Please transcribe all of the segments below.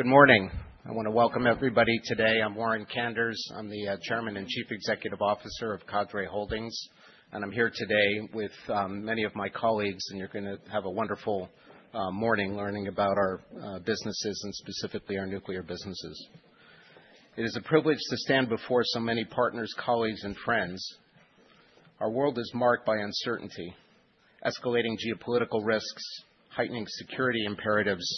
Good morning. I want to welcome everybody today. I'm Warren Kanders. I'm the Chairman and Chief Executive Officer of Cadre Holdings, and I'm here today with many of my colleagues, and you're going to have a wonderful morning learning about our businesses, and specifically our nuclear businesses. It is a privilege to stand before so many partners, colleagues, and friends. Our world is marked by uncertainty, escalating geopolitical risks, heightening security imperatives,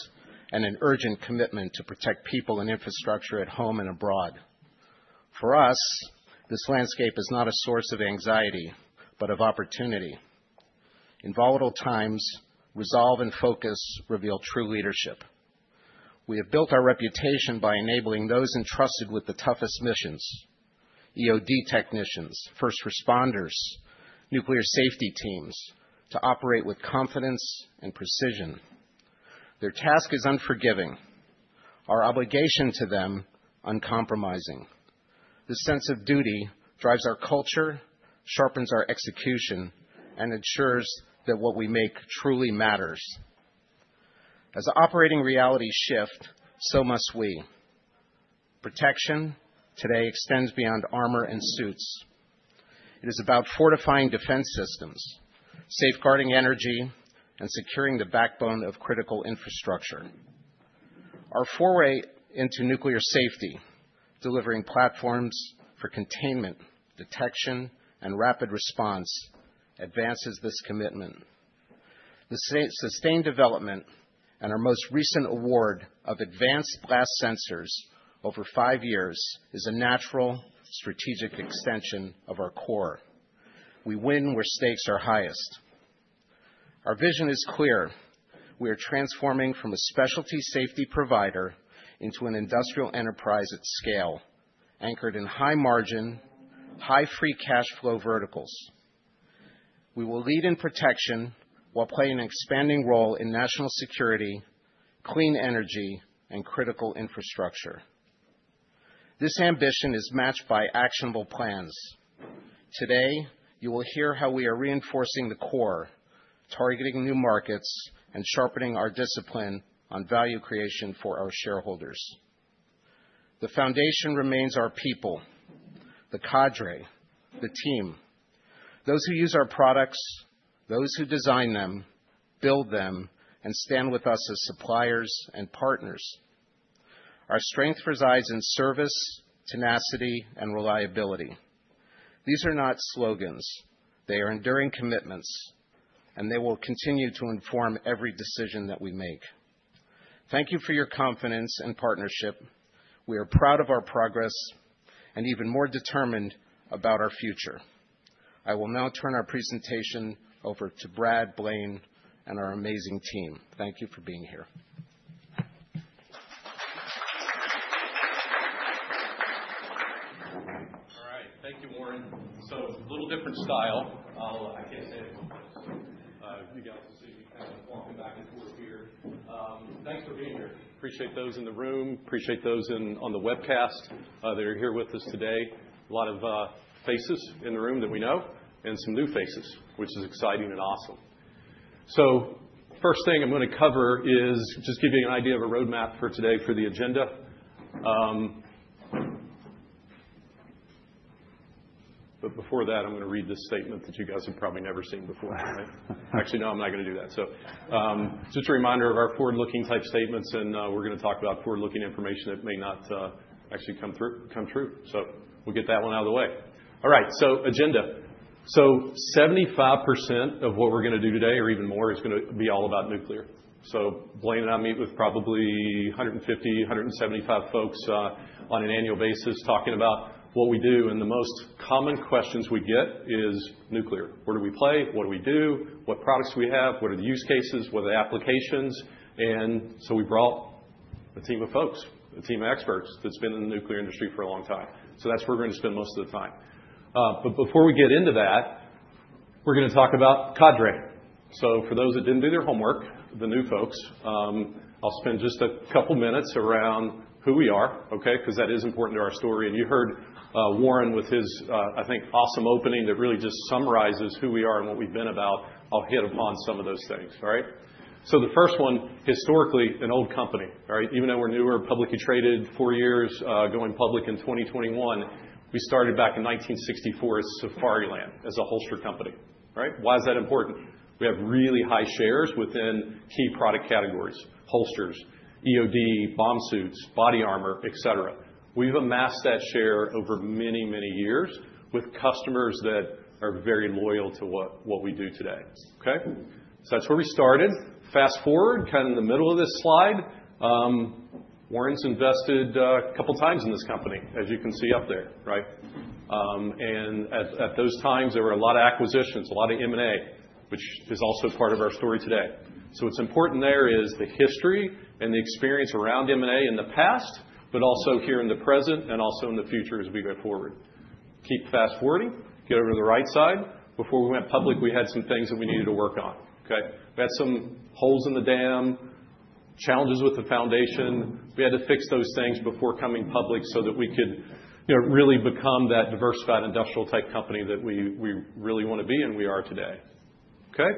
and an urgent commitment to protect people and infrastructure at home and abroad. For us, this landscape is not a source of anxiety, but of opportunity. In volatile times, resolve and focus reveal true leadership. We have built our reputation by enabling those entrusted with the toughest missions: EOD technicians, first responders, nuclear safety teams to operate with confidence and precision. Their task is unforgiving. Our obligation to them is uncompromising. This sense of duty drives our culture, sharpens our execution, and ensures that what we make truly matters. As operating realities shift, so must we. Protection today extends beyond armor and suits. It is about fortifying defense systems, safeguarding energy, and securing the backbone of critical infrastructure. Our foray into Nuclear Safety, delivering platforms for containment, detection, and rapid response, advances this commitment. The sustained development and our most recent award of Advanced Blast Sensors over five years is a natural strategic extension of our core. We win where stakes are highest. Our vision is clear. We are transforming from a specialty safety provider into an industrial enterprise at scale, anchored in high margin, high free cash flow verticals. We will lead in protection while playing an expanding role in national security, clean energy, and critical infrastructure. This ambition is matched by actionable plans. Today, you will hear how we are reinforcing the core, targeting new markets, and sharpening our discipline on value creation for our shareholders. The foundation remains our people, the Cadre, the team. Those who use our products, those who design them, build them, and stand with us as suppliers and partners. Our strength resides in service, tenacity, and reliability. These are not slogans. They are enduring commitments, and they will continue to inform every decision that we make. Thank you for your confidence and partnership. We are proud of our progress and even more determined about our future. I will now turn our presentation over to Brad, Blaine, and our amazing team. Thank you for being here. All right. Thank you, Warren. So, a little different style. I can't say it in one voice. You guys will see me kind of walking back and forth here. Thanks for being here. Appreciate those in the room. Appreciate those on the webcast that are here with us today. A lot of faces in the room that we know, and some new faces, which is exciting and awesome. So, the first thing I'm going to cover is just give you an idea of a roadmap for today for the agenda. But before that, I'm going to read this statement that you guys have probably never seen before. Actually, no, I'm not going to do that. So, just a reminder of our forward-looking type statements, and we're going to talk about forward-looking information that may not actually come true. So, we'll get that one out of the way. All right. So, agenda. So, 75% of what we're going to do today, or even more, is going to be all about Nuclear. So, Blaine and I meet with probably 150 folks-175 folks on an annual basis talking about what we do, and the most common questions we get is Nuclear. Where do we play? What do we do? What products do we have? What are the use cases? What are the applications? And so, we brought a team of folks, a team of experts that's been in the nuclear industry for a long time. So, that's where we're going to spend most of the time. But before we get into that, we're going to talk about Cadre. So, for those that didn't do their homework, the new folks, I'll spend just a couple of minutes around who we are, okay, because that is important to our story. And you heard Warren with his, I think, awesome opening that really just summarizes who we are and what we've been about. I'll hit upon some of those things. All right. So, the first one, historically, an old company, right? Even though we're newer, publicly traded, four years, going public in 2021, we started back in 1964 as Safariland as a holster company. All right. Why is that important? We have really high shares within key product categories: holsters, EOD, bomb suits, body armor, et cetera. We've amassed that share over many, many years with customers that are very loyal to what we do today. Okay. So, that's where we started. Fast forward, kind of in the middle of this slide, Warren's invested a couple of times in this company, as you can see up there, right? And at those times, there were a lot of acquisitions, a lot of M&A, which is also part of our story today. So, what's important there is the history and the experience around M&A in the past, but also here in the present and also in the future as we go forward. Keep fast forwarding. Get over to the right side. Before we went public, we had some things that we needed to work on. Okay. We had some holes in the dam, challenges with the foundation. We had to fix those things before coming public so that we could really become that diversified industrial type company that we really want to be, and we are today. Okay.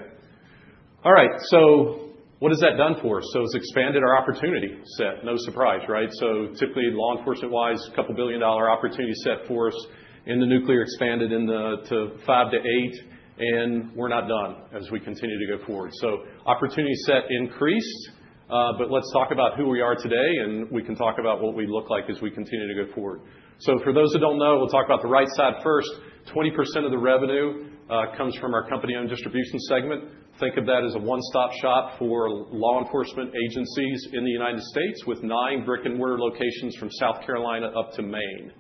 All right. So, what has that done for us? So, it's expanded our opportunity set. No surprise, right? So, typically, law enforcement-wise, a $2 billion-dollar opportunity set for us. In the Nuclear, expanded to $5 billion-$8 billion, and we're not done as we continue to go forward. So, opportunity set increased, but let's talk about who we are today, and we can talk about what we look like as we continue to go forward. So, for those who don't know, we'll talk about the right side first. 20% of the revenue comes from our company-owned distribution segment. Think of that as a one-stop shop for law enforcement agencies in the United States, with nine brick-and-mortar locations from South Carolina up to Maine.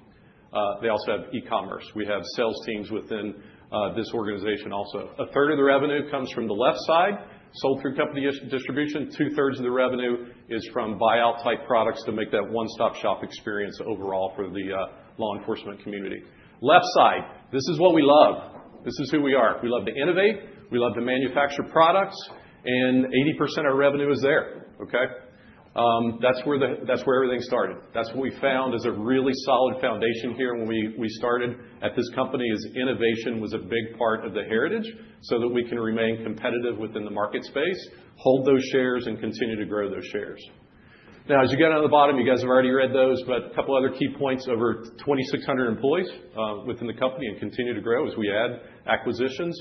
They also have e-commerce. We have sales teams within this organization also. A third of the revenue comes from the left side, sold through company distribution. Two-thirds of the revenue is from buy-out type products to make that one-stop shop experience overall for the law enforcement community. Left side, this is what we love. This is who we are. We love to innovate. We love to manufacture products, and 80% of our revenue is there. Okay. That's where everything started. That's what we found as a really solid foundation here when we started at this company is innovation was a big part of the heritage so that we can remain competitive within the market space, hold those shares, and continue to grow those shares. Now, as you get on the bottom, you guys have already read those, but a couple of other key points: over 2,600 employees within the company and continue to grow as we add acquisitions,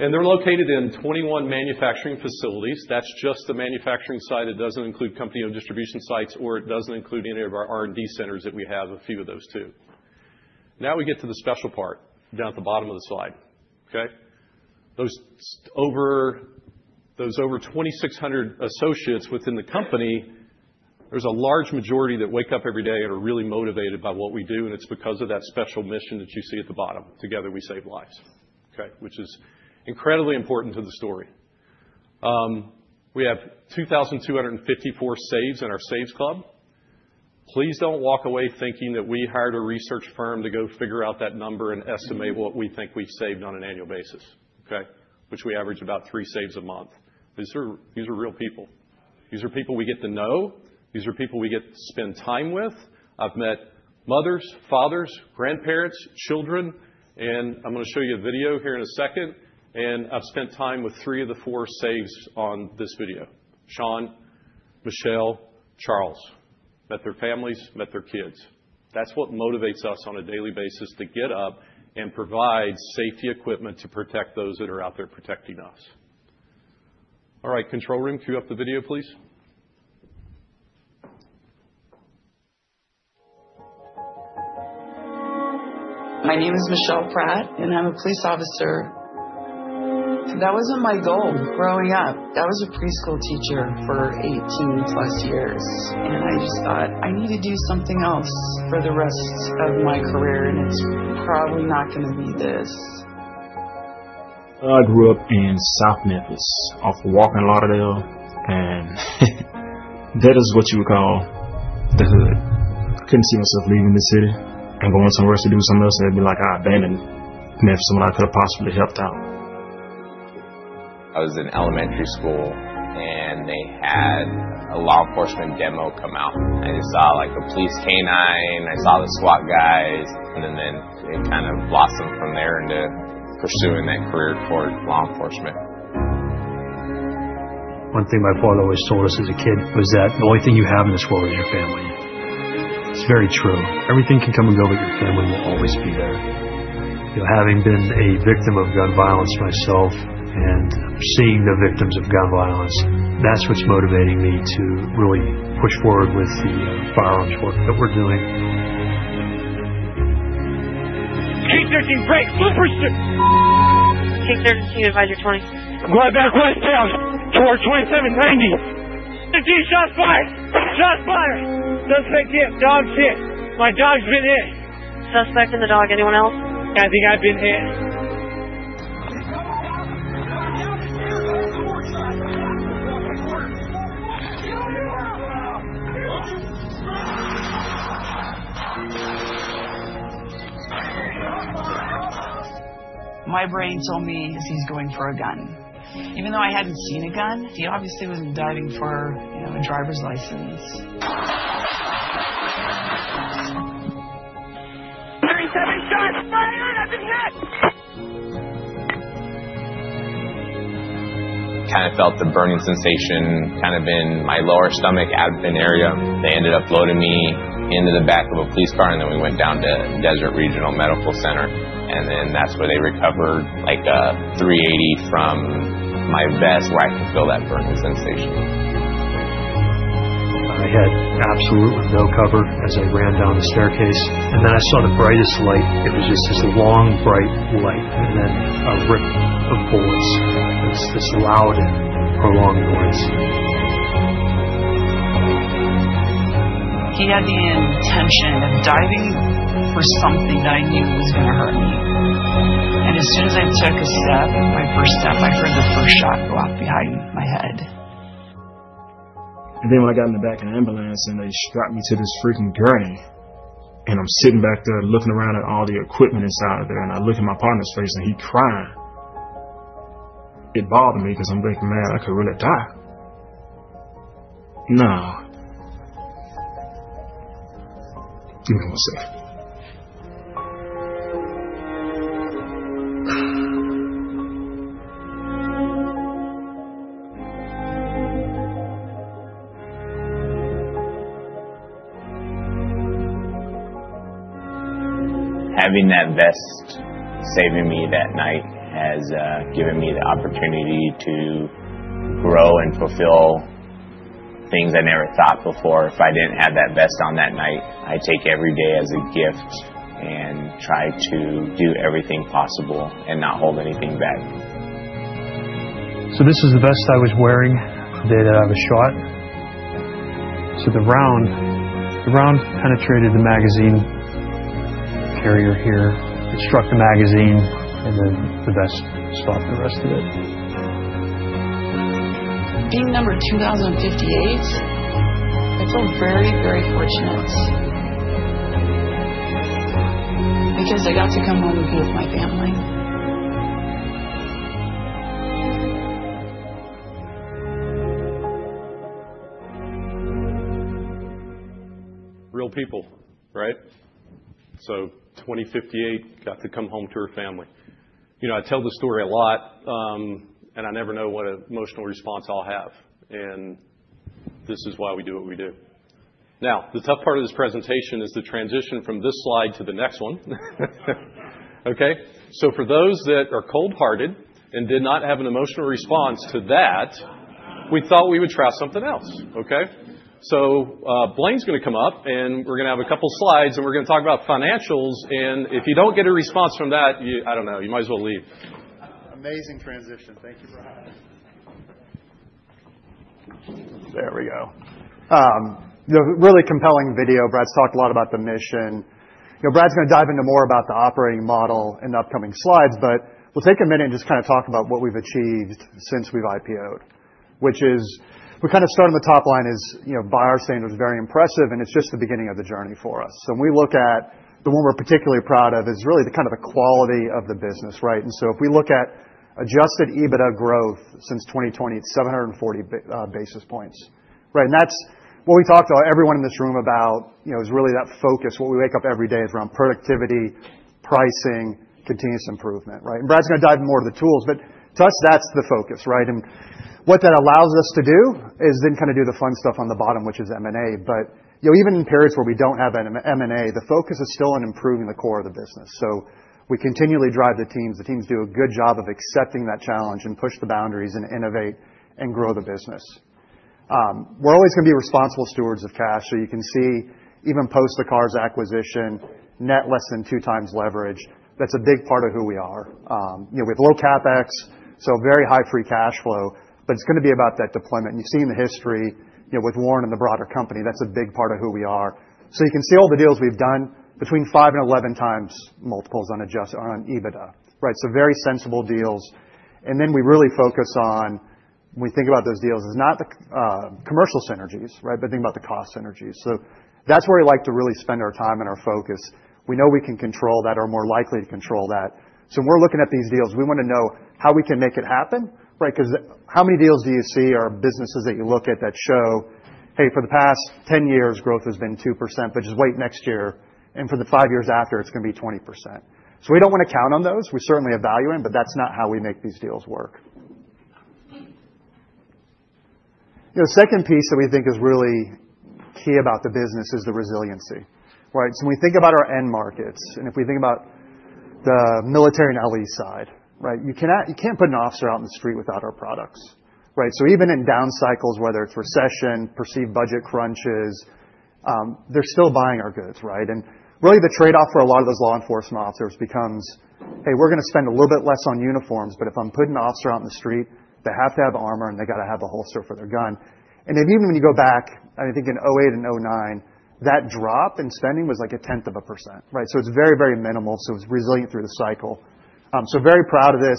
and they're located in 21 manufacturing facilities. That's just the manufacturing side. It doesn't include company-owned distribution sites, or it doesn't include any of our R&D centers that we have, a few of those too. Now we get to the special part down at the bottom of the slide. Okay. Those over 2,600 associates within the company, there's a large majority that wake up every day and are really motivated by what we do, and it's because of that special mission that you see at the bottom. Together, we save lives. Okay, which is incredibly important to the story. We have 2,254 saves in our saves club. Please don't walk away thinking that we hired a research firm to go figure out that number and estimate what we think we've saved on an annual basis. Okay, which we average about three saves a month. These are real people. These are people we get to know. These are people we get to spend time with. I've met mothers, fathers, grandparents, children, and I'm going to show you a video here in a second, and I've spent time with three of the four saves on this video: Sean, Michelle, Charles. Met their families, met their kids. That's what motivates us on a daily basis to get up and provide safety equipment to protect those that are out there protecting us. All right. Control room, cue up the video, please. My name is Michelle Pratt, and I'm a police officer. That wasn't my goal growing up. I was a preschool teacher for 18-plus years, and I just thought, I need to do something else for the rest of my career, and it's probably not going to be this. I grew up in South Memphis, off of Walker and Lauderdale, and that is what you would call the hood. I couldn't see myself leaving the city. I'm going somewhere else to do something else, and it'd be like I abandoned somebody I could have possibly helped out. I was in elementary school, and they had a law enforcement demo come out. I just saw, like, the police canine. I saw the SWAT guys, and then it kind of blossomed from there into pursuing that career toward law enforcement. One thing my father always told us as a kid was that the only thing you have in this world is your family. It's very true. Everything can come and go, but your family will always be there. You know, having been a victim of gun violence myself and seeing the victims of gun violence, that's what's motivating me to really push forward with the firearms work that we're doing. K-13, break. Pursuit! K-13, Advisor 20. [Westbound bypass] charge 2790. 15, shots fired. Shots fired. Don't take it. Dog's hit. My dog's been hit. Suspect in the dog. Anyone else? I think I've been hit. My brain told me he's going for a gun. Even though I hadn't seen a gun, he obviously wasn't driving for a driver's license. 37 shots fired. I've been hit. Kind of felt the burning sensation kind of in my lower stomach, abdomen area. They ended up loading me into the back of a police car, and then we went down to Desert Regional Medical Center, and then that's where they recovered, like, a 380 from my vest, where I could feel that burning sensation. I had absolutely no cover as I ran down the staircase, and then I saw the brightest light. It was just this long, bright light, and then a rip of bullets. This loud, prolonged noise. He had the intention of diving for something that I knew was going to hurt me. And as soon as I took a step, my first step, I heard the first shot go off behind my head. And then when I got in the back of the ambulance, and they strapped me to this freaking gurney, and I'm sitting back there looking around at all the equipment inside of there, and I look at my partner's face, and he's crying. It bothered me because I'm thinking, man, I could really die. No. Give me one second. Having that vest saving me that night has given me the opportunity to grow and fulfill things I never thought before. If I didn't have that vest on that night, I take every day as a gift and try to do everything possible and not hold anything back. This is the vest I was wearing the day that I was shot. The round penetrated the magazine carrier here. It struck the magazine, and then the vest stopped the rest of it. Being number 2058, I feel very, very fortunate because I got to come home and be with my family. Real people, right, so 2058 got to come home to her family. You know, I tell the story a lot, and I never know what emotional response I'll have, and this is why we do what we do. Now, the tough part of this presentation is the transition from this slide to the next one. Okay, so for those that are cold-hearted and did not have an emotional response to that, we thought we would try something else. Okay, so Blaine's going to come up, and we're going to have a couple of slides, and we're going to talk about financials, and if you don't get a response from that, I don't know, you might as well leave. Amazing transition. Thank you, Brad. There we go. You know, really compelling video. Brad's talked a lot about the mission. You know, Brad's going to dive into more about the operating model in the upcoming slides, but we'll take a minute and just kind of talk about what we've achieved since we've IPO'd. Which is, we kind of start on the top line as, you know, by our standard, it's very impressive, and it's just the beginning of the journey for us. So when we look at the one we're particularly proud of, it's really kind of the quality of the business, right? And so if we look at adjusted EBITDA growth since 2020, it's 740 basis points. Right. And that's what we talked to everyone in this room about, you know, is really that focus. What we wake up every day is around productivity, pricing, continuous improvement, right? And Brad's going to dive in more to the tools, but to us, that's the focus, right? And what that allows us to do is then kind of do the fun stuff on the bottom, which is M&A. But, you know, even in periods where we don't have M&A, the focus is still on improving the core of the business. So we continually drive the teams. The teams do a good job of accepting that challenge and push the boundaries and innovate and grow the business. We're always going to be responsible stewards of cash. So you can see even post the Carrs acquisition, net less than 2x leverage. That's a big part of who we are. You know, we have low CapEx, so very high free cash flow, but it's going to be about that deployment. And you've seen the history, you know, with Warren and the broader company. That's a big part of who we are. So you can see all the deals we've done between 5x-11x multiples on EBITDA, right? So very sensible deals. And then we really focus on, when we think about those deals, it's not the commercial synergies, right, but think about the cost synergies. So that's where we like to really spend our time and our focus. We know we can control that or are more likely to control that. So when we're looking at these deals, we want to know how we can make it happen, right? Because how many deals do you see or businesses that you look at that show, hey, for the past 10 years, growth has been 2%, but just wait next year, and for the five years after, it's going to be 20%? So we don't want to count on those. We certainly have value in, but that's not how we make these deals work. You know, the second piece that we think is really key about the business is the resiliency, right? So when we think about our end markets, and if we think about the military and LE side, right, you can't put an officer out in the street without our products, right? So even in down cycles, whether it's recession, perceived budget crunches, they're still buying our goods, right? And really, the trade-off for a lot of those law enforcement officers becomes, hey, we're going to spend a little bit less on uniforms, but if I'm putting an officer out in the street, they have to have armor, and they got to have a holster for their gun. And even when you go back, I think in 2008 and 2009, that drop in spending was like 0.1%, right? So it's very, very minimal. So it's resilient through the cycle. So very proud of this.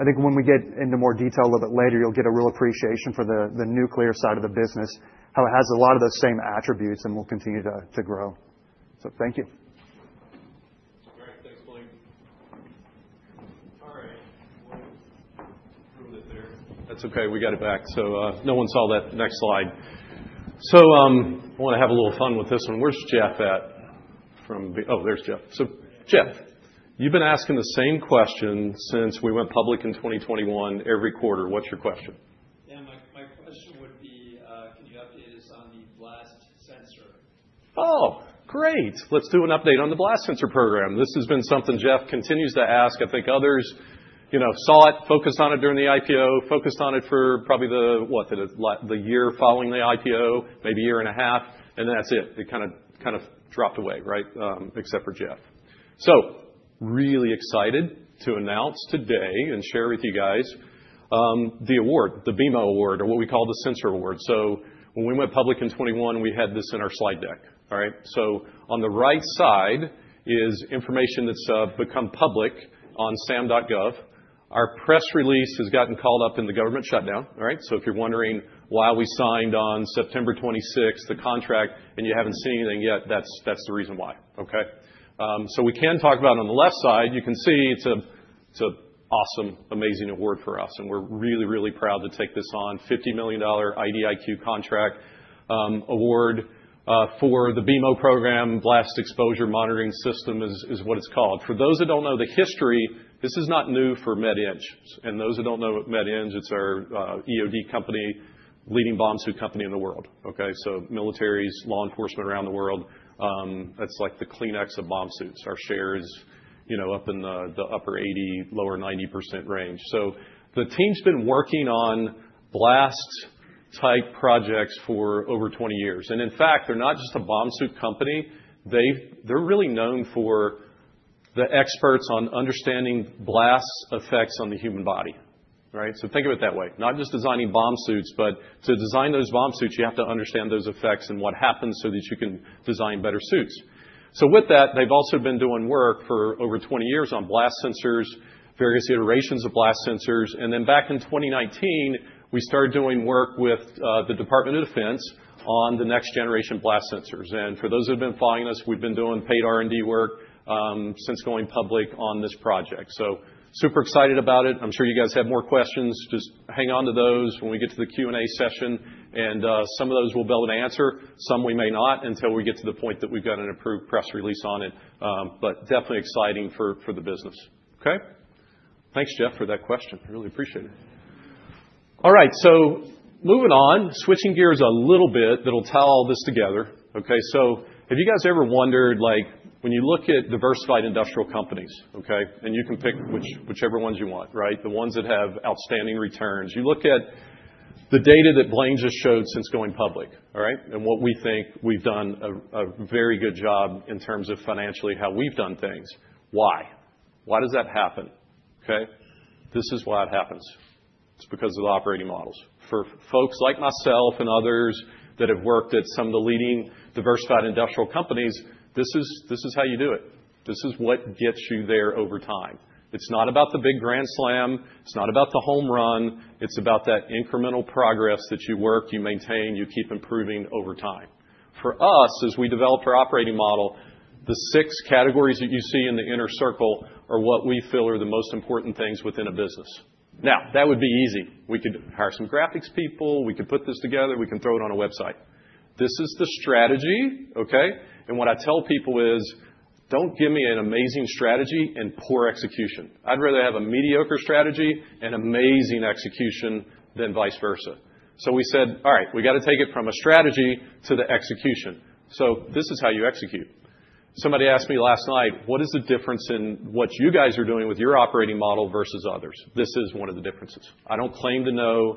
I think when we get into more detail a little bit later, you'll get a real appreciation for the Nuclear side of the business, how it has a lot of those same attributes, and we'll continue to grow. So thank you. All right. Thanks, Blaine. All right. Through there. That's okay. We got it back. So no one saw that next slide. So I want to have a little fun with this one. Where's Jeff at? From the, oh, there's Jeff. So Jeff, you've been asking the same question since we went public in 2021 every quarter. What's your question? Yeah. My question would be, can you update us on the blast sensor? Oh, great. Let's do an update on the blast sensor program. This has been something Jeff continues to ask. I think others, you know, saw it, focused on it during the IPO, focused on it for probably the—what? The year following the IPO, maybe a year and a half, and then that's it. It kind of dropped away, right? Except for Jeff. So really excited to announce today and share with you guys the award, the BEMO Award, or what we call the Sensor Award. So when we went public in 2021, we had this in our slide deck, all right? So on the right side is information that's become public on SAM.gov. Our press release has gotten called up in the government shutdown, all right? So if you're wondering why we signed on September 26th the contract and you haven't seen anything yet, that's the reason why. Okay. So we can talk about on the left side, you can see it's an awesome, amazing award for us, and we're really, really proud to take this on. $50 million IDIQ contract award for the BEMO Program, Blast Exposure Monitoring System is what it's called. For those that don't know the history, this is not new for Med-Eng. And those that don't know Med-Eng, it's our EOD company, leading bomb suit company in the world, okay? So militaries, law enforcement around the world, that's like the Kleenex of bomb suits. Our share is, you know, up in the upper 80%-lower 90% range. So the team's been working on blast-type projects for over 20 years. And in fact, they're not just a bomb suit company. They're really known for the experts on understanding blast effects on the human body, right? So think of it that way. Not just designing bomb suits, but to design those bomb suits, you have to understand those effects and what happens so that you can design better suits. So with that, they've also been doing work for over 20 years on blast sensors, various iterations of blast sensors. And then back in 2019, we started doing work with the Department of Defense on the next generation blast sensors. And for those who have been following us, we've been doing paid R&D work since going public on this project. So super excited about it. I'm sure you guys have more questions. Just hang on to those when we get to the Q&A session, and some of those we'll be able to answer. Some we may not until we get to the point that we've got an approved press release on it. But definitely exciting for the business. Okay. Thanks, Jeff, for that question. I really appreciate it. All right, so moving on, switching gears a little bit that'll tie all this together. Okay, so have you guys ever wondered, like, when you look at diversified industrial companies, okay, and you can pick whichever ones you want, right? The ones that have outstanding returns, you look at the data that Blaine just showed since going public, all right? And what we think we've done a very good job in terms of financially how we've done things. Why? Why does that happen? Okay. This is why it happens. It's because of the operating models. For folks like myself and others that have worked at some of the leading diversified industrial companies, this is how you do it. This is what gets you there over time. It's not about the big grand slam. It's not about the home run. It's about that incremental progress that you work, you maintain, you keep improving over time. For us, as we developed our operating model, the six categories that you see in the inner circle are what we feel are the most important things within a business. Now, that would be easy. We could hire some graphics people. We could put this together. We can throw it on a website. This is the strategy, okay, and what I tell people is, don't give me an amazing strategy and poor execution. I'd rather have a mediocre strategy and amazing execution than vice versa, so we said, all right, we got to take it from a strategy to the execution, so this is how you execute. Somebody asked me last night, what is the difference in what you guys are doing with your operating model versus others? This is one of the differences. I don't claim to know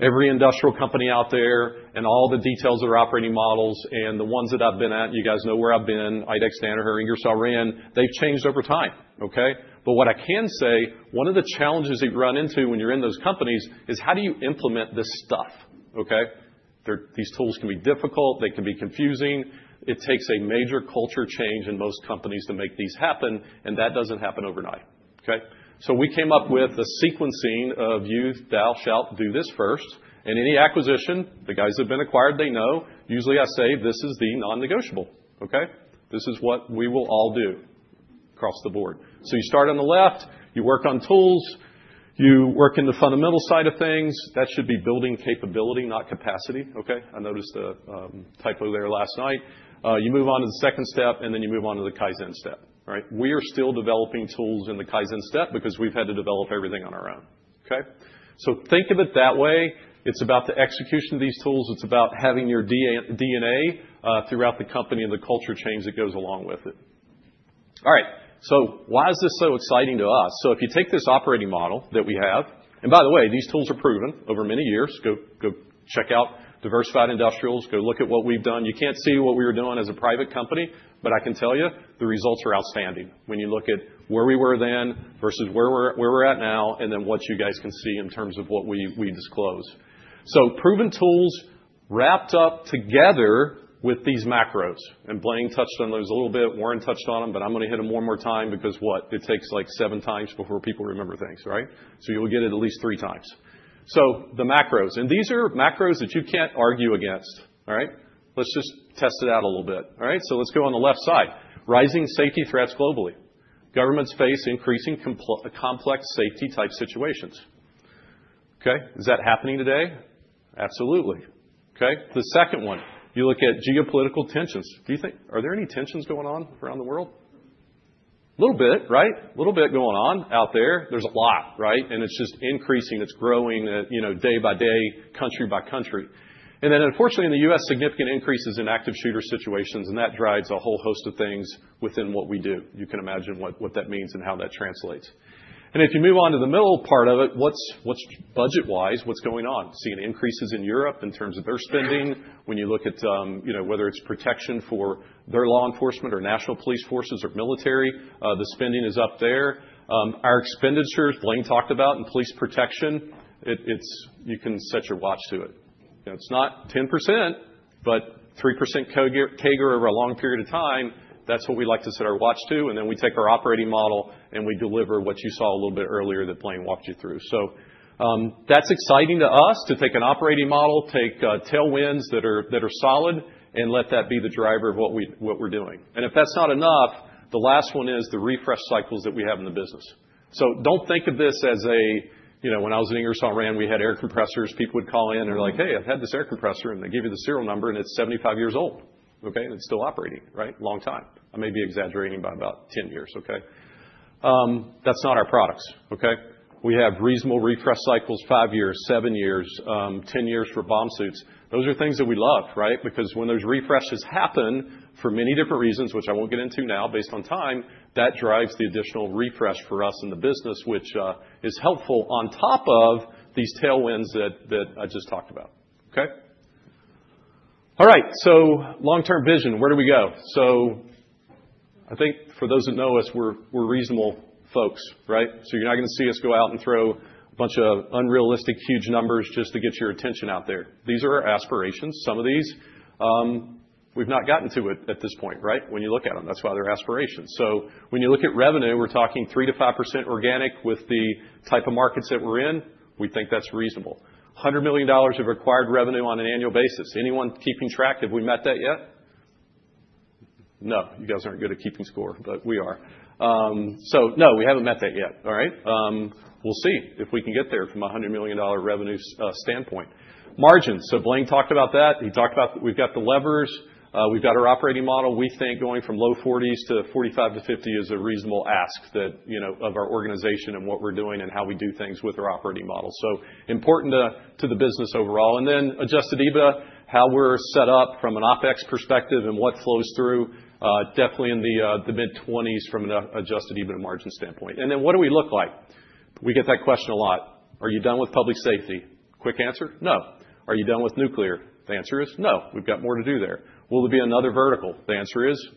every industrial company out there and all the details of their operating models. And the ones that I've been at, you guys know where I've been, IDEX, Danaher or Ingersoll Rand, they've changed over time, okay? But what I can say, one of the challenges that you run into when you're in those companies is how do you implement this stuff, okay? These tools can be difficult. They can be confusing. It takes a major culture change in most companies to make these happen, and that doesn't happen overnight, okay? So we came up with a sequencing of you, thou, shalt do this first. And any acquisition, the guys that have been acquired, they know, usually I say, this is the non-negotiable, okay? This is what we will all do across the board. So you start on the left. You work on tools. You work in the fundamental side of things. That should be building capability, not capacity, okay? I noticed a typo there last night. You move on to the second step, and then you move on to the Kaizen step, all right? We are still developing tools in the Kaizen step because we've had to develop everything on our own, okay? So think of it that way. It's about the execution of these tools. It's about having your DNA throughout the company and the culture change that goes along with it. All right. So why is this so exciting to us? So if you take this operating model that we have, and by the way, these tools are proven over many years. Go check out diversified industrials. Go look at what we've done. You can't see what we were doing as a private company, but I can tell you the results are outstanding when you look at where we were then versus where we're at now and then what you guys can see in terms of what we disclose. So proven tools wrapped up together with these macros. And Blaine touched on those a little bit. Warren touched on them, but I'm going to hit them one more time because what? It takes like seven times before people remember things, right? So you'll get it at least three times. So the macros. And these are macros that you can't argue against, all right? Let's just test it out a little bit, all right? So let's go on the left side. Rising safety threats globally. Governments face increasing complex safety-type situations. Okay. Is that happening today? Absolutely. Okay. The second one, you look at geopolitical tensions. Do you think, are there any tensions going on around the world? A little bit, right? A little bit going on out there. There's a lot, right? And it's just increasing. It's growing, you know, day by day, country by country. And then unfortunately, in the U.S., significant increases in active shooter situations, and that drives a whole host of things within what we do. You can imagine what that means and how that translates. And if you move on to the middle part of it, what's budget-wise? What's going on? Seeing increases in Europe in terms of their spending. When you look at, you know, whether it's protection for their law enforcement or national police forces or military, the spending is up there. Our expenditures, Blaine talked about, and police protection, it's you can set your watch to it. You know, it's not 10%, but 3% CAGR over a long period of time, that's what we like to set our watch to. And then we take our operating model and we deliver what you saw a little bit earlier that Blaine walked you through. So that's exciting to us to take an operating model, take tailwinds that are solid, and let that be the driver of what we're doing. And if that's not enough, the last one is the refresh cycles that we have in the business. So don't think of this as a, you know, when I was at Ingersoll Rand, we had air compressors. People would call in and they're like, "Hey, I've had this air compressor," and they give you the serial number, and it's 75 years old, okay? And it's still operating, right? Long time. I may be exaggerating by about 10 years, okay? That's not our products, okay? We have reasonable refresh cycles, five years, seven years, 10 years for bomb suits. Those are things that we love, right? Because when those refreshes happen for many different reasons, which I won't get into now based on time, that drives the additional refresh for us in the business, which is helpful on top of these tailwinds that I just talked about, okay? All right. So long-term vision, where do we go? So I think for those that know us, we're reasonable folks, right? So you're not going to see us go out and throw a bunch of unrealistic huge numbers just to get your attention out there. These are our aspirations. Some of these, we've not gotten to it at this point, right? When you look at them, that's why they're aspirations. So when you look at revenue, we're talking 3%-5% organic with the type of markets that we're in. We think that's reasonable. $100 million of acquired revenue on an annual basis. Anyone keeping track? Have we met that yet? No. You guys aren't good at keeping score, but we are. So no, we haven't met that yet, all right? We'll see if we can get there from a $100 million revenue standpoint. Margins. So Blaine talked about that. He talked about we've got the levers. We've got our operating model. We think going from low-40% to 45% to 50% is a reasonable ask that, you know, of our organization and what we're doing and how we do things with our operating model. So important to the business overall. And then adjusted EBITDA, how we're set up from an OpEx perspective and what flows through, definitely in the mid-20% from an adjusted EBITDA margin standpoint. And then what do we look like? We get that question a lot. Are you done with public safety? Quick answer? No. Are you done with Nuclear? The answer is no. We've got more to do there. Will there be another vertical? The answer is,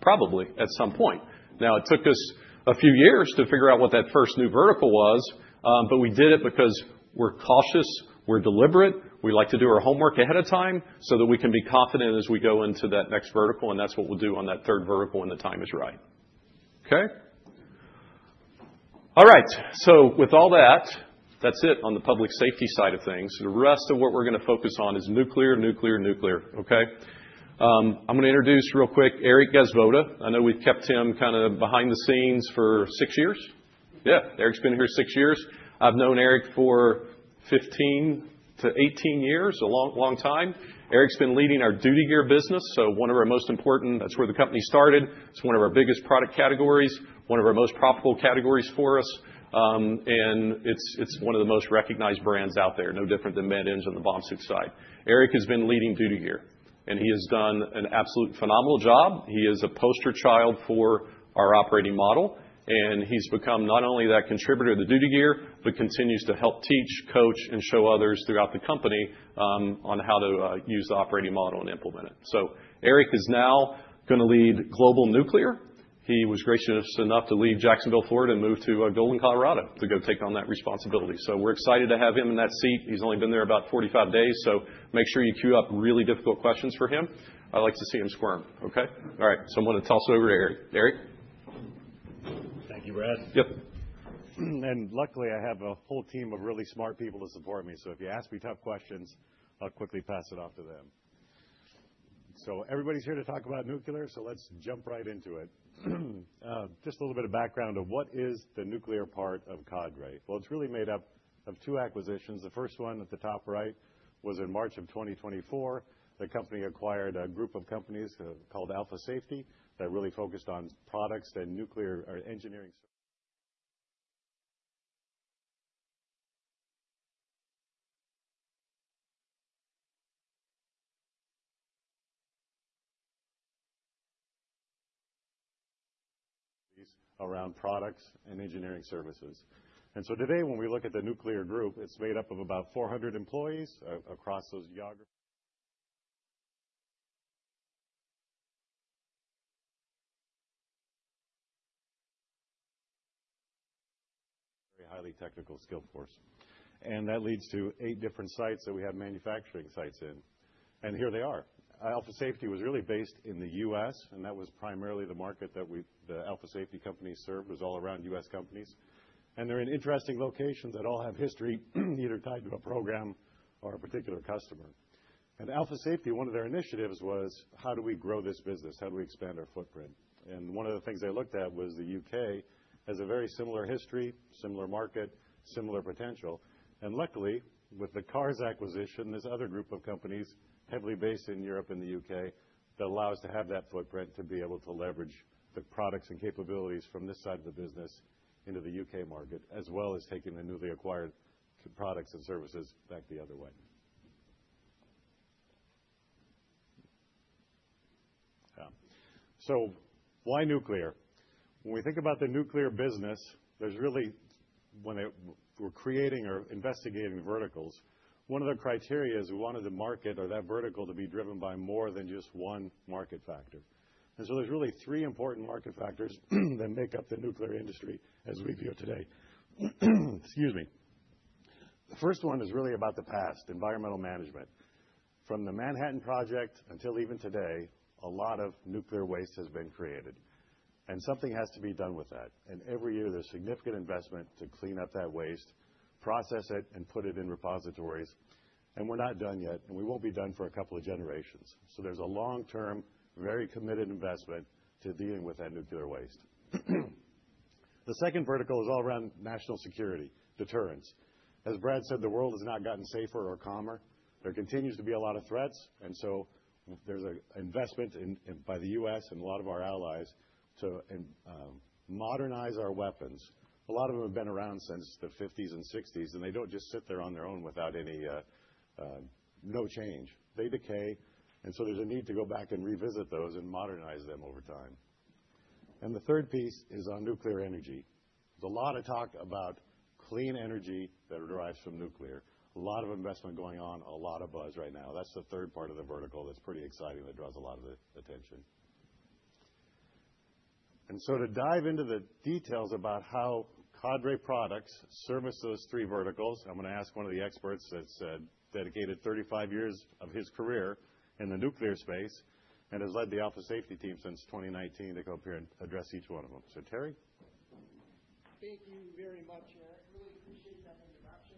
probably at some point. Now, it took us a few years to figure out what that first new vertical was, but we did it because we're cautious. We're deliberate. We like to do our homework ahead of time so that we can be confident as we go into that next vertical, and that's what we'll do on that third vertical when the time is right, okay? All right. So with all that, that's it on the public safety side of things. The rest of what we're going to focus on is Nuclear, Nuclear, Nuclear, okay? I'm going to introduce real quick Eric Gasvoda. I know we've kept him kind of behind the scenes for six years. Yeah. Eric's been here six years. I've known Eric for 15 yearts-18 years, a long, long time. Eric's been leading our Duty Gear business. So one of our most important, that's where the company started. It's one of our biggest product categories, one of our most profitable categories for us. And it's one of the most recognized brands out there, no different than Med-Eng on the bomb suit side. Eric has been leading Duty Gear, and he has done an absolute phenomenal job. He is a poster child for our operating model, and he's become not only that contributor to the Duty Gear, but continues to help teach, coach, and show others throughout the company on how to use the operating model and implement it. So Eric is now going to lead Global Nuclear. He was gracious enough to leave Jacksonville, Florida, and move to Golden, Colorado to go take on that responsibility. So we're excited to have him in that seat. He's only been there about 45 days. So make sure you queue up really difficult questions for him. I like to see him squirm, okay? All right. So I'm going to toss it over to Eric. Eric? Thank you, Brad. Yep. And luckily, I have a whole team of really smart people to support me. So if you ask me tough questions, I'll quickly pass it off to them. So everybody's here to talk about nuclear, so let's jump right into it. Just a little bit of background of what is the Nuclear part of Cadre, well, it's really made up of two acquisitions. The first one at the top right was in March of 2024. The company acquired a group of companies called Alpha Safety that really focused on products and nuclear or engineering services. They're around products and engineering services, and so today, when we look at the Nuclear group, it's made up of about 400 employees across those geographies. Very highly technical skilled workforce, and that leads to eight different sites that we have manufacturing sites in, and here they are. Alpha Safety was really based in the U.S., and that was primarily the market that we, the Alpha Safety company served, was all around U.S. companies, and they're in interesting locations that all have history either tied to a program or a particular customer, and Alpha Safety, one of their initiatives was, how do we grow this business? How do we expand our footprint, and one of the things they looked at was the U.K. has a very similar history, similar market, similar potential, and luckily, with the Carrs acquisition, this other group of companies heavily based in Europe and the U.K. that allow us to have that footprint to be able to leverage the products and capabilities from this side of the business into the U.K. market, as well as taking the newly acquired products and services back the other way. Yeah. So why nuclear? When we think about the Nuclear business, there's really, when we're creating or investigating verticals, one of the criteria is we wanted the market or that vertical to be driven by more than just one market factor, and so there's really three important market factors that make up the nuclear industry as we view it today. Excuse me. The first one is really about the past, Environmental Management. From the Manhattan Project until even today, a lot of nuclear waste has been created, and something has to be done with that, and every year, there's significant investment to clean up that waste, process it, and put it in repositories, and we're not done yet, and we won't be done for a couple of generations, so there's a long-term, very committed investment to dealing with that nuclear waste. The second vertical is all around National Security, Deterrence. As Brad said, the world has not gotten safer or calmer. There continues to be a lot of threats. And so there's an investment by the U.S. and a lot of our allies to modernize our weapons. A lot of them have been around since the 1950s and 1960s, and they don't just sit there on their own without any change. They decay. And so there's a need to go back and revisit those and modernize them over time. And the third piece is on Nuclear Energy. There's a lot of talk about clean energy that arises from nuclear. A lot of investment going on, a lot of buzz right now. That's the third part of the vertical that's pretty exciting that draws a lot of attention. And so to dive into the details about how Cadre products service those three verticals, I'm going to ask one of the experts that's dedicated 35 years of his career in the nuclear space and has led the Alpha Safety team since 2019 to go up here and address each one of them. So Terry? Thank you very much, Eric. Really appreciate that introduction.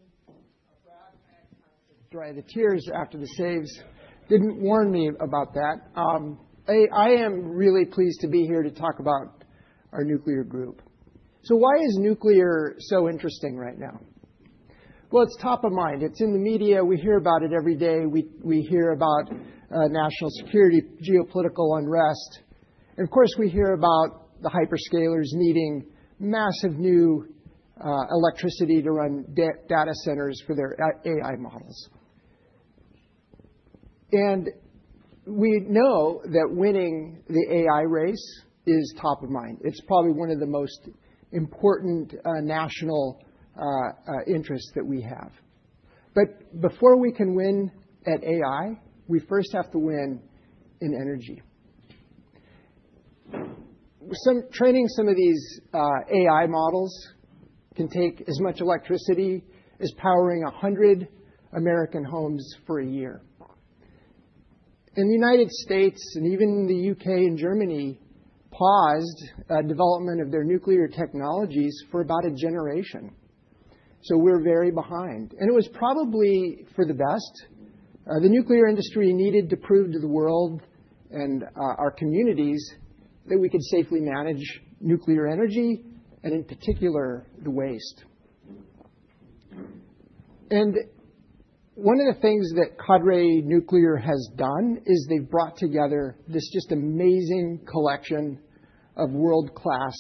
Brad had kind of to dry the tears after the saves. Didn't warn me about that. I am really pleased to be here to talk about our nuclear group. So why is nuclear so interesting right now? Well, it's top of mind. It's in the media. We hear about it every day. We hear about national security, geopolitical unrest. And of course, we hear about the hyperscalers needing massive new electricity to run data centers for their AI models. And we know that winning the AI race is top of mind. It's probably one of the most important national interests that we have. But before we can win at AI, we first have to win in energy. Training some of these AI models can take as much electricity as powering 100 American homes for a year. In the United States, and even the U.K. and Germany, paused development of their nuclear technologies for about a generation. So we're very behind. And it was probably for the best. The nuclear industry needed to prove to the world and our communities that we could safely manage nuclear energy and in particular the waste. And one of the things that Cadre Nuclear has done is they've brought together this just amazing collection of world-class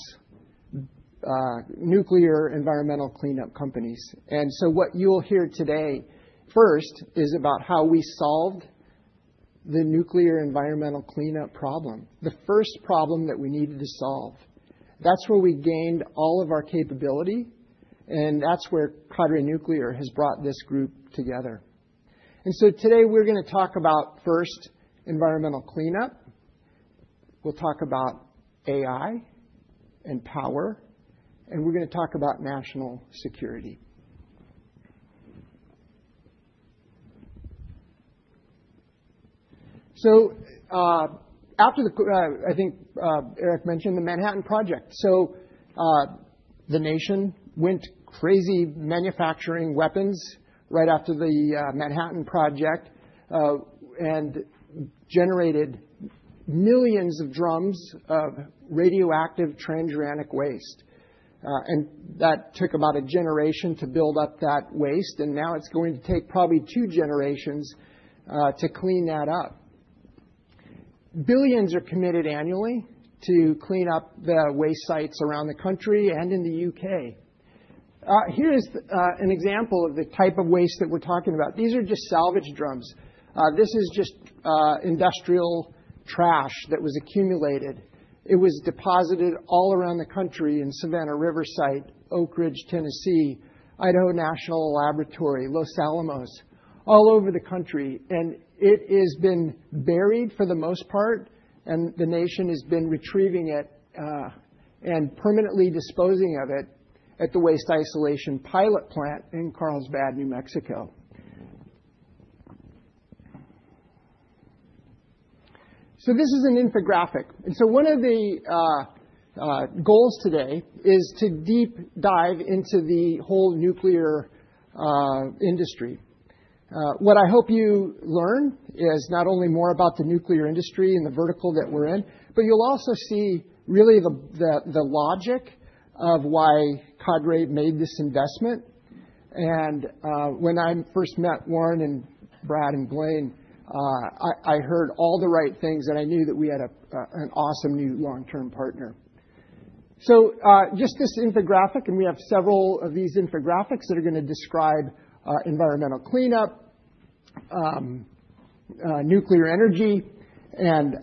nuclear environmental cleanup companies. And so what you'll hear today first is about how we solved the nuclear environmental cleanup problem, the first problem that we needed to solve. That's where we gained all of our capability, and that's where Cadre Nuclear has brought this group together. And so today we're going to talk about first environmental cleanup. We'll talk about AI and power, and we're going to talk about national security. After the, I think Eric mentioned the Manhattan Project. The nation went crazy manufacturing weapons right after the Manhattan Project and generated millions of drums of radioactive transuranic waste. That took about a generation to build up that waste, and now it's going to take probably two generations to clean that up. Billions are committed annually to clean up the waste sites around the country and in the U.K. Here's an example of the type of waste that we're talking about. These are just salvage drums. This is just industrial trash that was accumulated. It was deposited all around the country in Savannah River Site, Oak Ridge, Tennessee, Idaho National Laboratory, Los Alamos, all over the country. It has been buried for the most part, and the nation has been retrieving it and permanently disposing of it at the Waste Isolation Pilot Plant in Carlsbad, New Mexico. This is an infographic. One of the goals today is to deep dive into the whole nuclear industry. What I hope you learn is not only more about the nuclear industry and the vertical that we're in, but you'll also see really the logic of why Cadre made this investment. When I first met Warren and Brad and Blaine, I heard all the right things, and I knew that we had an awesome new long-term partner. This infographic, and we have several of these infographics that are going to describe Environmental Cleanup, Nuclear Energy, and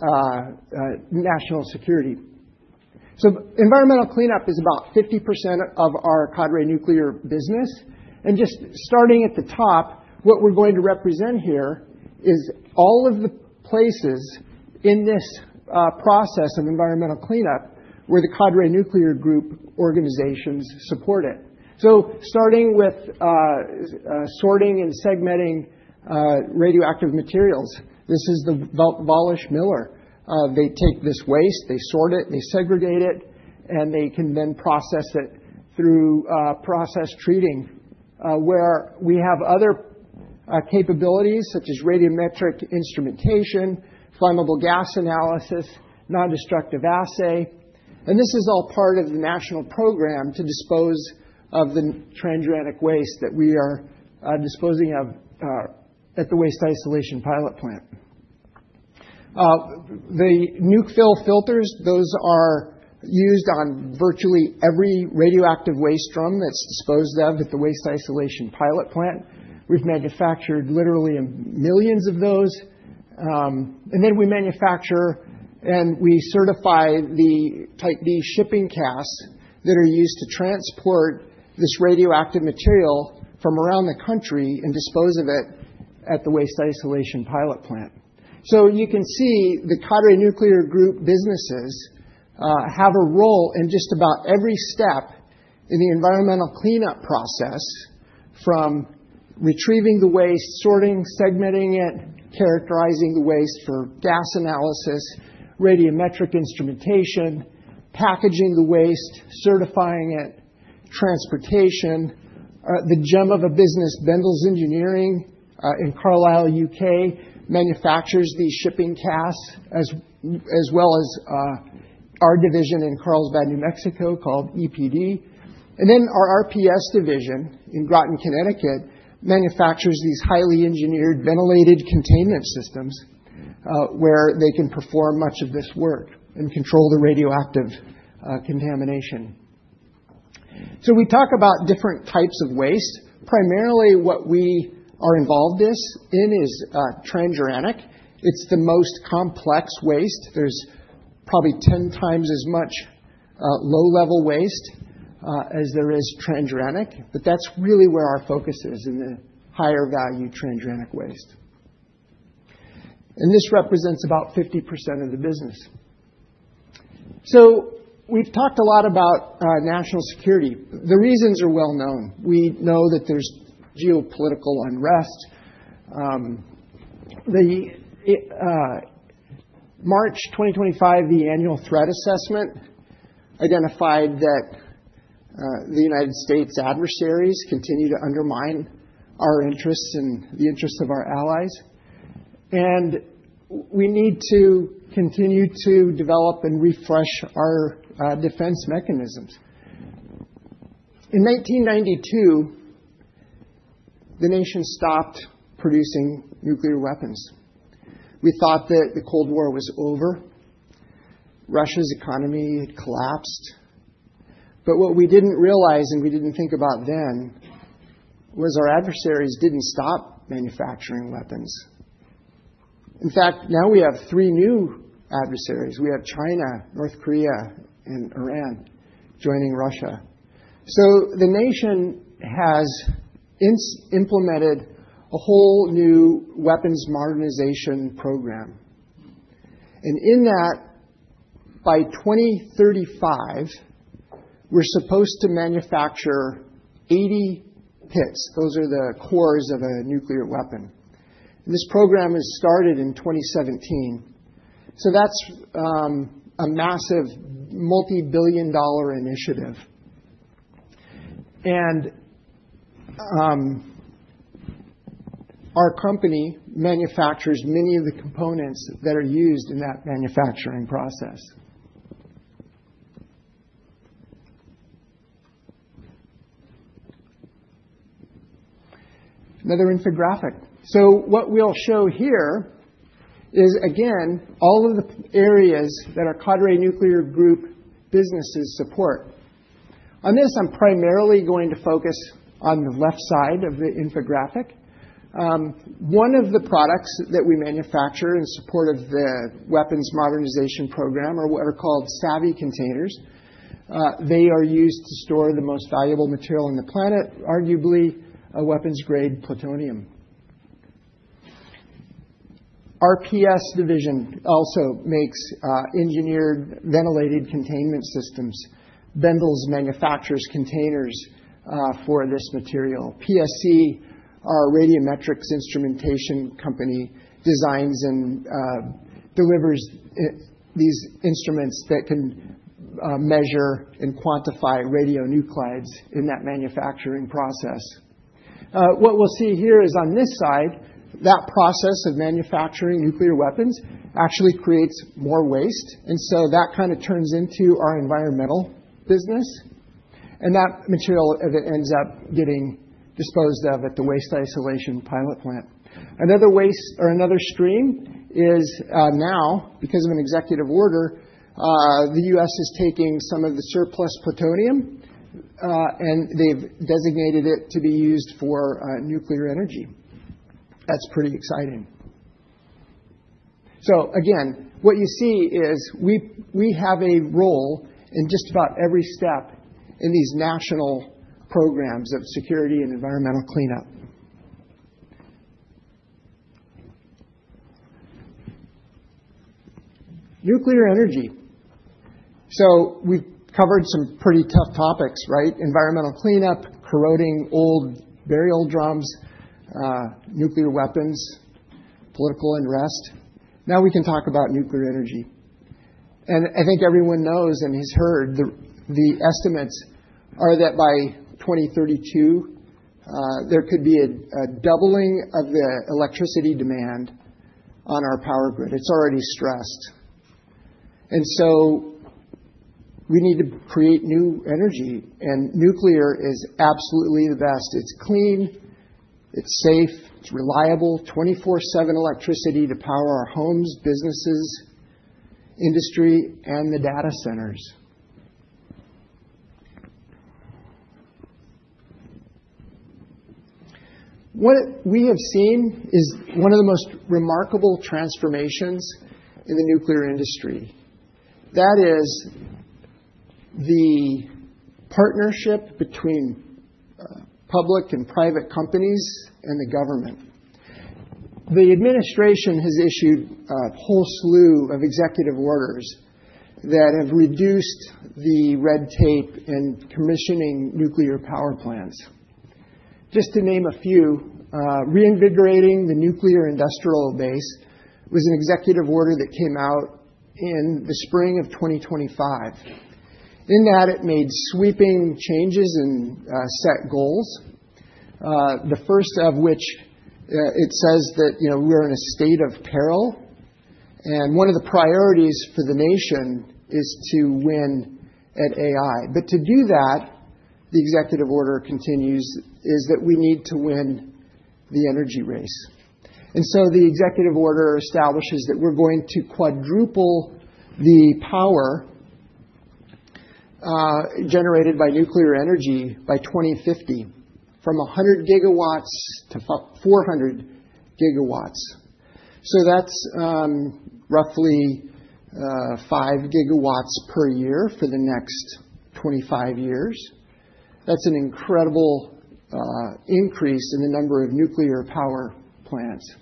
National Security. Environmental Cleanup is about 50% of our Cadre Nuclear business. Just starting at the top, what we're going to represent here is all of the places in this process of environmental cleanup where the Cadre Nuclear Group organizations support it. So starting with sorting and segmenting radioactive materials, this is the Wälischmiller. They take this waste, they sort it, they segregate it, and they can then process it through process treating where we have other capabilities such as radiometric instrumentation, flammable gas analysis, non-destructive assay. And this is all part of the national program to dispose of the transuranic waste that we are disposing of at the Waste Isolation Pilot Plant. The NucFil filters, those are used on virtually every radioactive waste drum that's disposed of at the Waste Isolation Pilot Plant. We've manufactured literally millions of those. And then we manufacture and we certify the Type B shipping casks that are used to transport this radioactive material from around the country and dispose of it at the Waste Isolation Pilot Plant. You can see the Cadre Nuclear Group businesses have a role in just about every step in the environmental cleanup process from retrieving the waste, sorting, segmenting it, characterizing the waste for gas analysis, radiometric instrumentation, packaging the waste, certifying it, transportation. The gem of a business, Bendalls Engineering in Carlisle, U.K., manufactures these shipping casks as well as our division in Carlsbad, New Mexico called EPD. And then our RPS division in Groton, Connecticut, manufactures these highly engineered ventilated containment systems where they can perform much of this work and control the radioactive contamination. We talk about different types of waste. Primarily, what we are involved in is transuranic. It is the most complex waste. There is probably 10xs as much low-level waste as there is transuranic, but that is really where our focus is in the higher value transuranic waste. And this represents about 50% of the business. So we've talked a lot about National Security. The reasons are well known. We know that there's geopolitical unrest. The March 2025 annual threat assessment identified that the United States' adversaries continue to undermine our interests and the interests of our allies. And we need to continue to develop and refresh our defense mechanisms. In 1992, the nation stopped producing nuclear weapons. We thought that the Cold War was over. Russia's economy had collapsed. But what we didn't realize and we didn't think about then was our adversaries didn't stop manufacturing weapons. In fact, now we have three new adversaries. We have China, North Korea, and Iran joining Russia. So the nation has implemented a whole new weapons modernization program. And in that, by 2035, we're supposed to manufacture 80 pits. Those are the cores of a nuclear weapon. This program is started in 2017. That's a massive multi-billion-dollar initiative. Our company manufactures many of the components that are used in that manufacturing process. Another infographic. What we'll show here is, again, all of the areas that our Cadre Nuclear Group businesses support. On this, I'm primarily going to focus on the left side of the infographic. One of the products that we manufacture in support of the weapons modernization program are what are called SAVY containers. They are used to store the most valuable material on the planet, arguably a weapons-grade plutonium. RPS division also makes engineered ventilated containment systems. Bendalls manufactures containers for this material. PSC, our radiometrics instrumentation company, designs and delivers these instruments that can measure and quantify radionuclides in that manufacturing process. What we'll see here is on this side, that process of manufacturing nuclear weapons actually creates more waste. And so that kind of turns into our environmental business. And that material ends up getting disposed of at the Waste Isolation Pilot Plant. Another stream is now, because of an executive order, the U.S. is taking some of the surplus plutonium, and they've designated it to be used for nuclear energy. That's pretty exciting. So again, what you see is we have a role in just about every step in these national programs of security and environmental cleanup. Nuclear energy. So we've covered some pretty tough topics, right? Environmental cleanup, corroding old burial drums, nuclear weapons, political unrest. Now we can talk about nuclear energy. And I think everyone knows and has heard the estimates are that by 2032, there could be a doubling of the electricity demand on our power grid. It's already stressed. And so we need to create new energy, and nuclear is absolutely the best. It's clean, it's safe, it's reliable, 24/7 electricity to power our homes, businesses, industry, and the data centers. What we have seen is one of the most remarkable transformations in the nuclear industry. That is the partnership between public and private companies and the government. The administration has issued a whole slew of executive orders that have reduced the red tape in commissioning nuclear power plants. Just to name a few, reinvigorating the nuclear industrial base was an executive order that came out in the spring of 2025. In that, it made sweeping changes and set goals, the first of which it says that we're in a state of peril, and one of the priorities for the nation is to win at AI, but to do that, the executive order continues is that we need to win the energy race. And so the executive order establishes that we're going to quadruple the power generated by nuclear energy by 2050 from 100 GW to 400 GW. So that's roughly five GW per year for the next 25 years. That's an incredible increase in the number of nuclear power plants.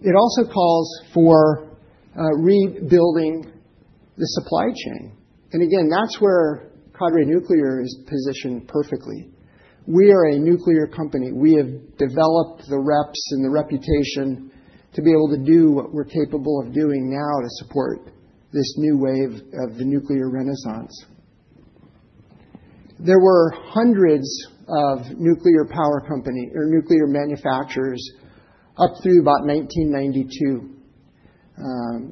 It also calls for rebuilding the supply chain. And again, that's where Cadre Nuclear is positioned perfectly. We are a nuclear company. We have developed the reps and the reputation to be able to do what we're capable of doing now to support this new wave of the nuclear renaissance. There were hundreds of nuclear power companies or nuclear manufacturers up through about 1992.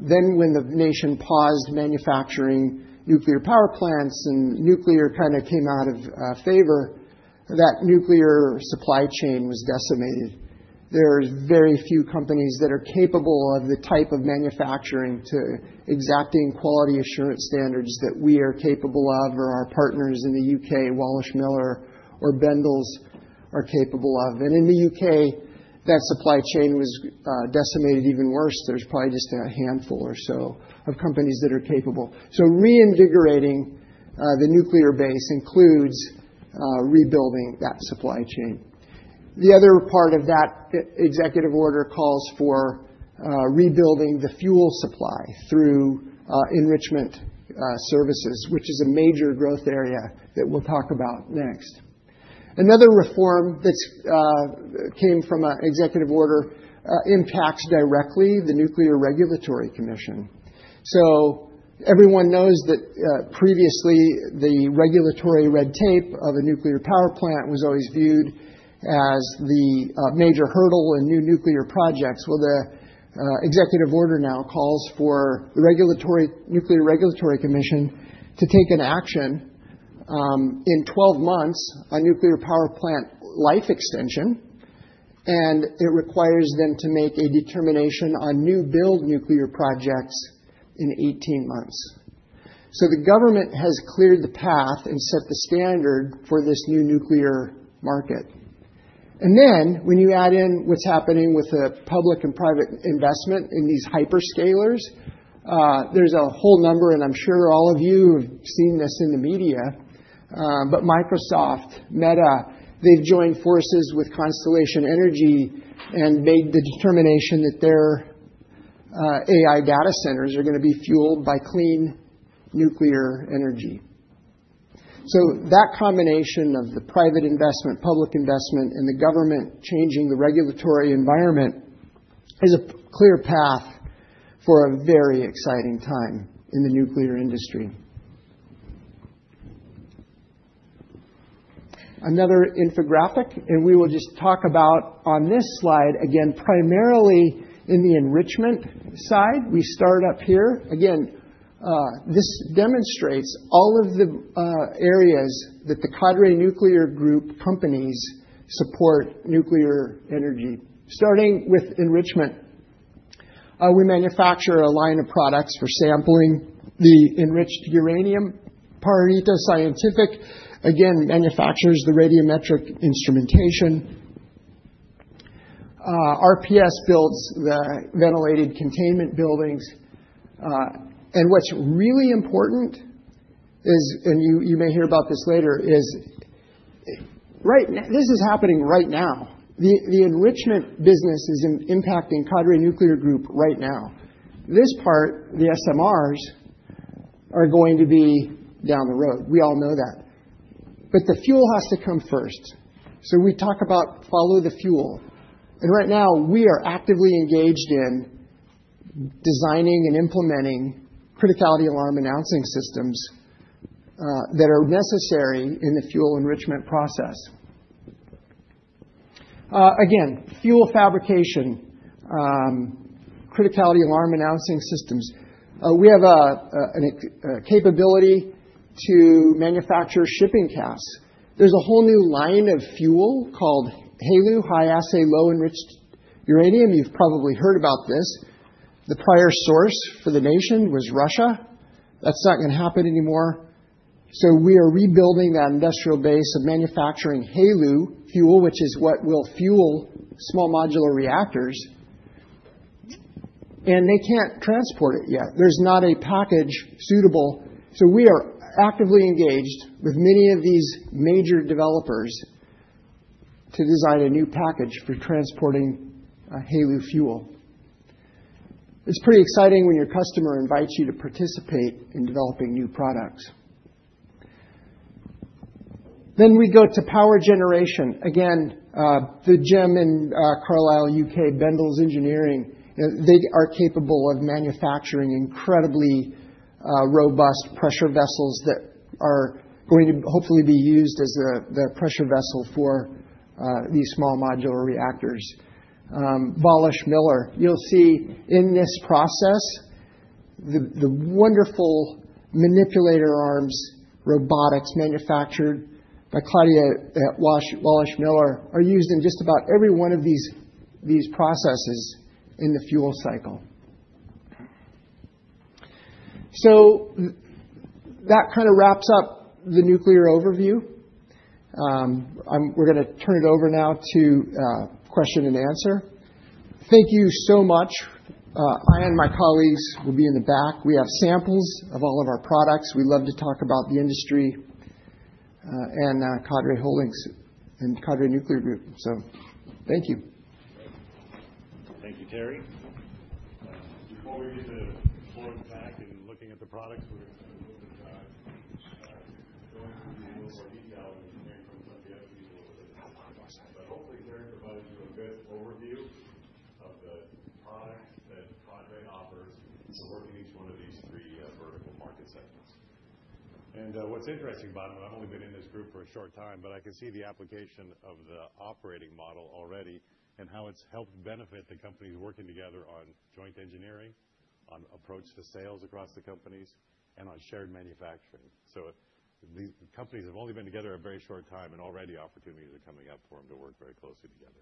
Then when the nation paused manufacturing nuclear power plants and nuclear kind of came out of favor, that nuclear supply chain was decimated. There are very few companies that are capable of the type of manufacturing to exacting quality assurance standards that we are capable of or our partners in the U.K., Wälischmiller or Bendalls are capable of. And in the U.K., that supply chain was decimated even worse. There's probably just a handful or so of companies that are capable. So reinvigorating the nuclear base includes rebuilding that supply chain. The other part of that executive order calls for rebuilding the fuel supply through enrichment services, which is a major growth area that we'll talk about next. Another reform that came from an executive order impacts directly the Nuclear Regulatory Commission. So everyone knows that previously the regulatory red tape of a nuclear power plant was always viewed as the major hurdle in new nuclear projects. The executive order now calls for the Nuclear Regulatory Commission to take an action in 12 months on nuclear power plant life extension. It requires them to make a determination on new build nuclear projects in 18 months. The government has cleared the path and set the standard for this new nuclear market. Then when you add in what's happening with the public and private investment in these hyperscalers, there's a whole number, and I'm sure all of you have seen this in the media, but Microsoft, Meta, they've joined forces with Constellation Energy and made the determination that their AI data centers are going to be fueled by clean nuclear energy. That combination of the private investment, public investment, and the government changing the regulatory environment is a clear path for a very exciting time in the nuclear industry. Another infographic, and we will just talk about on this slide, again, primarily in the enrichment side. We start up here. Again, this demonstrates all of the areas that the Cadre Nuclear Group companies support nuclear energy, starting with enrichment. We manufacture a line of products for sampling the enriched uranium. Pajarito Scientific, again, manufactures the radiometric instrumentation. RPS builds the ventilated containment buildings, and what's really important is, and you may hear about this later, is this is happening right now. The enrichment business is impacting Cadre Nuclear Group right now. This part, the SMRs, are going to be down the road. We all know that, but the fuel has to come first, so we talk about follow the fuel, and right now, we are actively engaged in designing and implementing criticality alarm announcing systems that are necessary in the fuel enrichment process. Again, fuel fabrication, criticality alarm announcing systems. We have a capability to manufacture shipping casks. There's a whole new line of fuel called HALEU, high-assay low-enriched uranium. You've probably heard about this. The prior source for the nation was Russia. That's not going to happen anymore, so we are rebuilding that industrial base of manufacturing HALEU fuel, which is what will fuel Small Modular Reactors, and they can't transport it yet. There's not a package suitable, so we are actively engaged with many of these major developers to design a new package for transporting HALEU fuel. It's pretty exciting when your customer invites you to participate in developing new products, then we go to power generation. Again, the gem in Carlisle, U.K., Bendalls Engineering, they are capable of manufacturing incredibly robust pressure vessels that are going to hopefully be used as the pressure vessel for these Small Modular Reactors. Wälischmiller, you'll see in this process the wonderful manipulator arms robotics manufactured by Claudia Wälischmiller are used in just about every one of these processes in the fuel cycle. So that kind of wraps up the nuclear overview. We're going to turn it over now to question and answer. Thank you so much. I and my colleagues will be in the back. We have samples of all of our products. We love to talk about the industry and Cadre Holdings and Cadre Nuclear Group. So thank you. Thank you, Terry. Before we get to exploring the back and looking at the products, we're going to go into a little more detail with Terry from some of the other people over there, but hopefully, Terry provides you a good overview of the products that Cadre offers for working each one of these three vertical market segments, and what's interesting about it, I've only been in this group for a short time, but I can see the application of the operating model already and how it's helped benefit the companies working together on joint engineering, on approach to sales across the companies, and on shared manufacturing, so these companies have only been together a very short time, and already opportunities are coming up for them to work very closely together,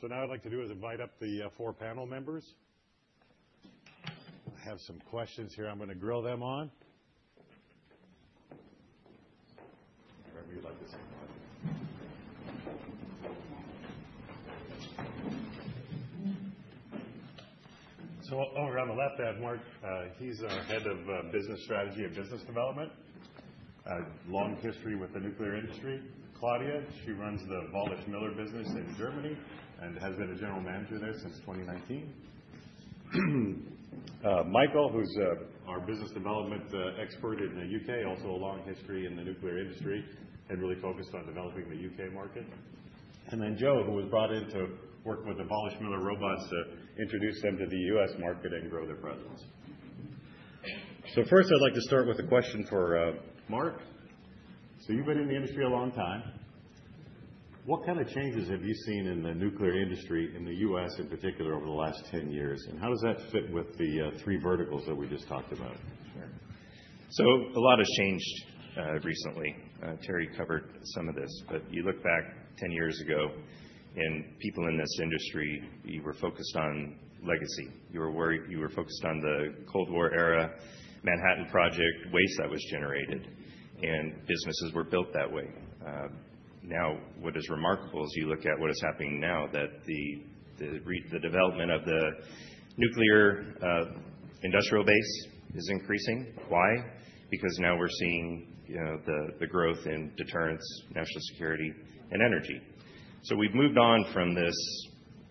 so now what I'd like to do is invite up the four panel members. I have some questions here. I'm going to grill them on. All right, we'd like to see one, so over on the left, I have Marc. He's our head of business strategy and business development, long history with the nuclear industry. Claudia, she runs the Wälischmiller business in Germany and has been a General Manager there since 2019. Michael, who's our Business Development Expert in the U.K., also a long history in the nuclear industry and really focused on developing the U.K. market, and then Joe, who was brought in to work with the Wälischmiller robots to introduce them to the U.S. market and grow their presence, so first, I'd like to start with a question for Marc, so you've been in the industry a long time. What kind of changes have you seen in the nuclear industry in the U.S. in particular over the last 10 years? How does that fit with the three verticals that we just talked about? Sure, so a lot has changed recently. Terry covered some of this, but you look back 10 years ago, and people in this industry, you were focused on legacy. You were focused on the Cold War era, Manhattan Project, waste that was generated, and businesses were built that way. Now, what is remarkable is you look at what is happening now, that the development of the nuclear industrial base is increasing. Why? Because now we're seeing the growth in Deterrence, National Security, and Energy, so we've moved on from this,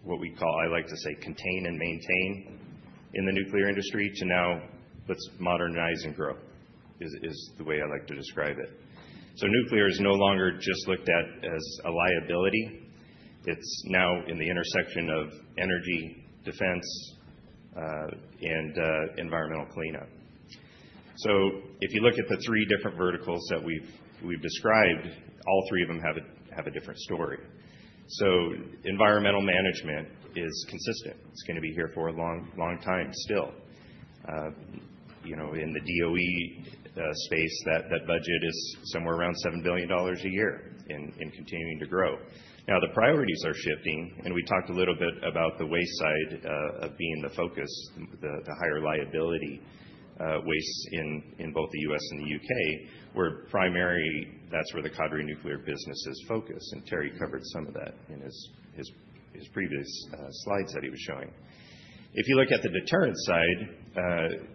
what we call, I like to say, contain and maintain in the nuclear industry to now let's modernize and grow is the way I like to describe it, so nuclear is no longer just looked at as a liability. It's now in the intersection of energy, defense, and environmental cleanup. So if you look at the three different verticals that we've described, all three of them have a different story. So Environmental Management is consistent. It's going to be here for a long, long time still. In the DOE space, that budget is somewhere around $7 billion a year in continuing to grow. Now, the priorities are shifting. And we talked a little bit about the waste side of being the focus, the higher liability waste in both the U.S. and the U.K., where primarily that's where the Cadre Nuclear business is focused. And Terry covered some of that in his previous slides that he was showing. If you look at the Deterrence side,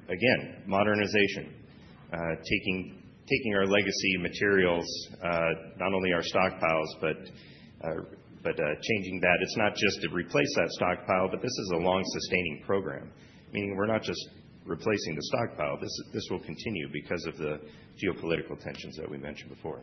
again, modernization, taking our legacy materials, not only our stockpiles, but changing that. It's not just to replace that stockpile, but this is a long-sustaining program, meaning we're not just replacing the stockpile. This will continue because of the geopolitical tensions that we mentioned before.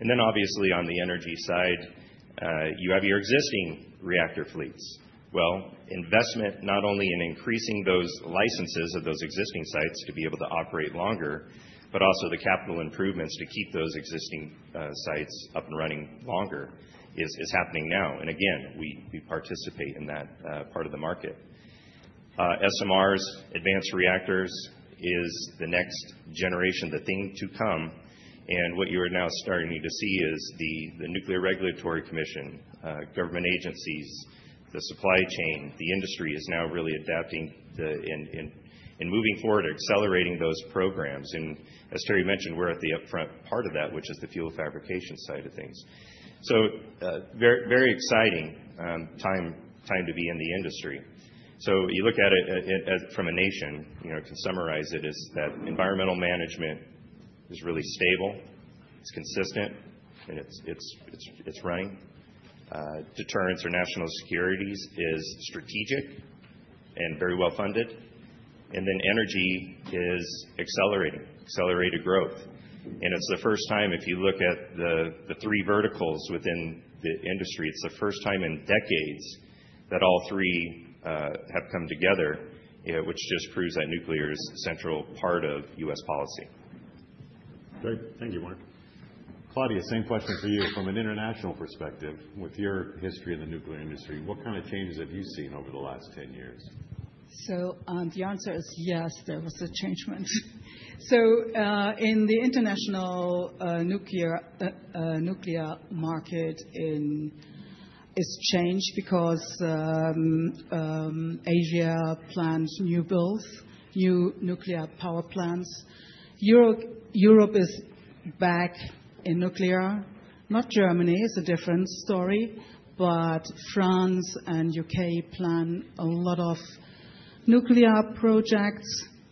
And then obviously, on the Energy side, you have your existing reactor fleets. Well, investment not only in increasing those licenses of those existing sites to be able to operate longer, but also the capital improvements to keep those existing sites up and running longer is happening now. And again, we participate in that part of the market. SMRs, advanced reactors is the next generation, the thing to come. And what you are now starting to see is the Nuclear Regulatory Commission, government agencies, the supply chain, the industry is now really adapting and moving forward, accelerating those programs. And as Terry mentioned, we're at the upfront part of that, which is the fuel fabrication side of things. So very exciting time to be in the industry. So you look at it from a nation, you can summarize it as that Environmental Management is really stable, it's consistent, and it's running. Deterrence or National Security is strategic and very well funded. And then Energy is accelerating, accelerated growth. And it's the first time, if you look at the three verticals within the industry, it's the first time in decades that all three have come together, which just proves that nuclear is a central part of U.S. policy. Great. Thank you, Marc. Claudia, same question for you. From an international perspective, with your history in the nuclear industry, what kind of changes have you seen over the last 10 years? So the answer is yes, there was a change. In the international nuclear market, it's changed because Asia plans new builds, new nuclear power plants. Europe is back in nuclear. Not Germany is a different story, but France and U.K. plan a lot of nuclear projects,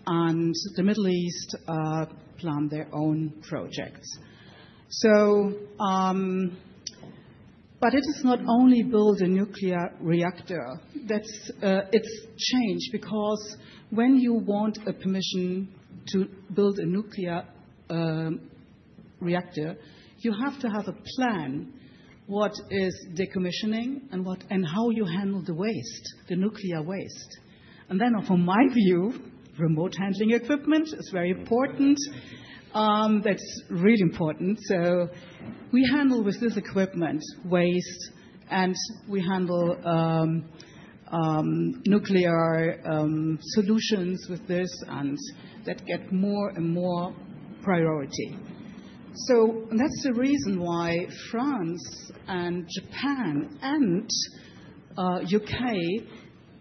and the Middle East plan their own projects. But it is not only build a nuclear reactor. It's changed because when you want a permission to build a nuclear reactor, you have to have a plan what is decommissioning and how you handle the waste, the nuclear waste. And then from my view, remote handling equipment is very important. That's really important. So we handle with this equipment waste, and we handle nuclear solutions with this, and that get more and more priority. So that's the reason why France and Japan and U.K.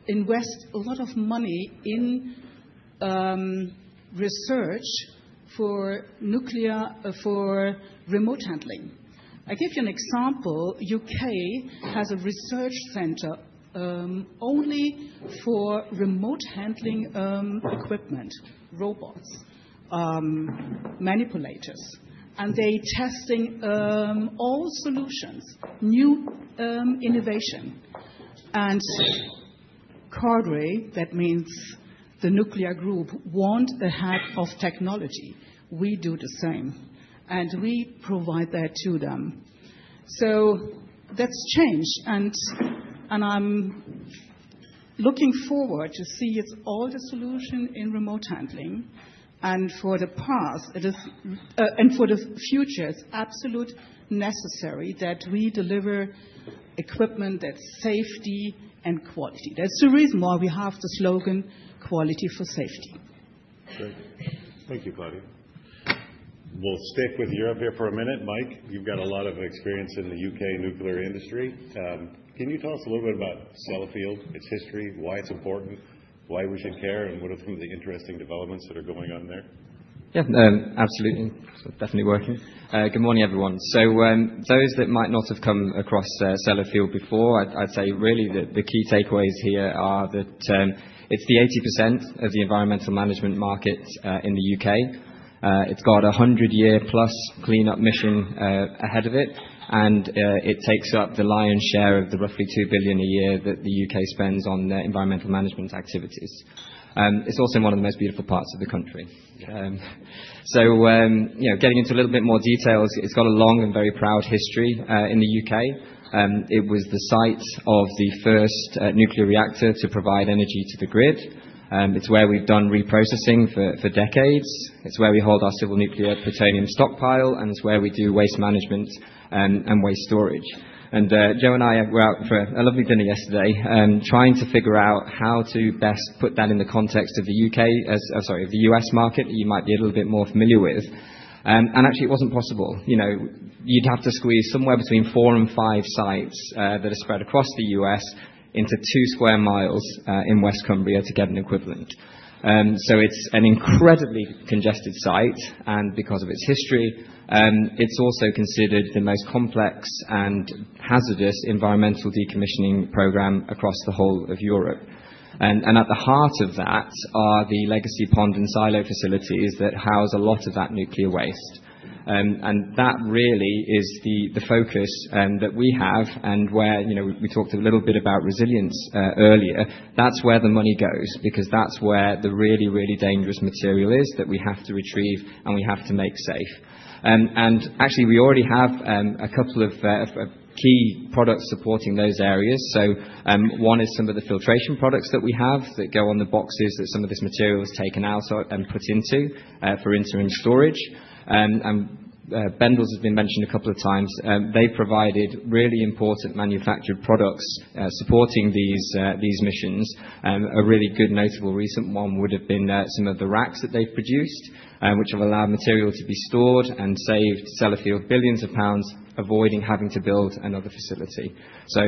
invest a lot of money in research for remote handling. I give you an example. U.K. has a research center only for remote handling equipment, robots, manipulators, and they're testing all solutions, new innovation, and Cadre, that means the Nuclear Group, want the hack of technology. We do the same, and we provide that to them, so that's changed, and I'm looking forward to seeing all the solutions in remote handling, and for the past, and for the future, it's absolutely necessary that we deliver equipment that's safety and quality. That's the reason why we have the slogan, quality for safety. Great. Thank you, Claudia. We'll stick with Europe here for a minute. Mike, you've got a lot of experience in the U.K. nuclear industry. Can you tell us a little bit about Sellafield, its history, why it's important, why we should care, and what are some of the interesting developments that are going on there? Yeah, absolutely. Definitely working. Good morning, everyone. So those that might not have come across Sellafield before, I'd say really the key takeaways here are that it's the 80% of the Environmental Management market in the U.K. It's got a 100-year-plus cleanup mission ahead of it. And it takes up the lion's share of the roughly $2 billion a year that the U.K. spends on Environmental Management activities. It's also one of the most beautiful parts of the country. So getting into a little bit more details, it's got a long and very proud history in the U.K. It was the site of the first nuclear reactor to provide energy to the grid. It's where we've done reprocessing for decades. It's where we hold our civil nuclear plutonium stockpile. And it's where we do waste management and waste storage. And Joe and I were out for a lovely dinner yesterday trying to figure out how to best put that in the context of the U.K., sorry, of the U.S. market that you might be a little bit more familiar with. And actually, it wasn't possible. You'd have to squeeze somewhere between four and five sites that are spread across the U.S. into two sq mi in West Cumbria to get an equivalent. So it's an incredibly congested site. And because of its history, it's also considered the most complex and hazardous environmental decommissioning program across the whole of Europe. And at the heart of that are the legacy pond and silo facilities that house a lot of that nuclear waste. And that really is the focus that we have. And we talked a little bit about resilience earlier. That's where the money goes because that's where the really, really dangerous material is that we have to retrieve and we have to make safe. And actually, we already have a couple of key products supporting those areas. So one is some of the filtration products that we have that go on the boxes that some of this material is taken out and put into for interim storage. And Bendalls has been mentioned a couple of times. They've provided really important manufactured products supporting these missions. A really good, notable recent one would have been some of the racks that they've produced, which have allowed material to be stored and saved Sellafield billions of pounds, avoiding having to build another facility. So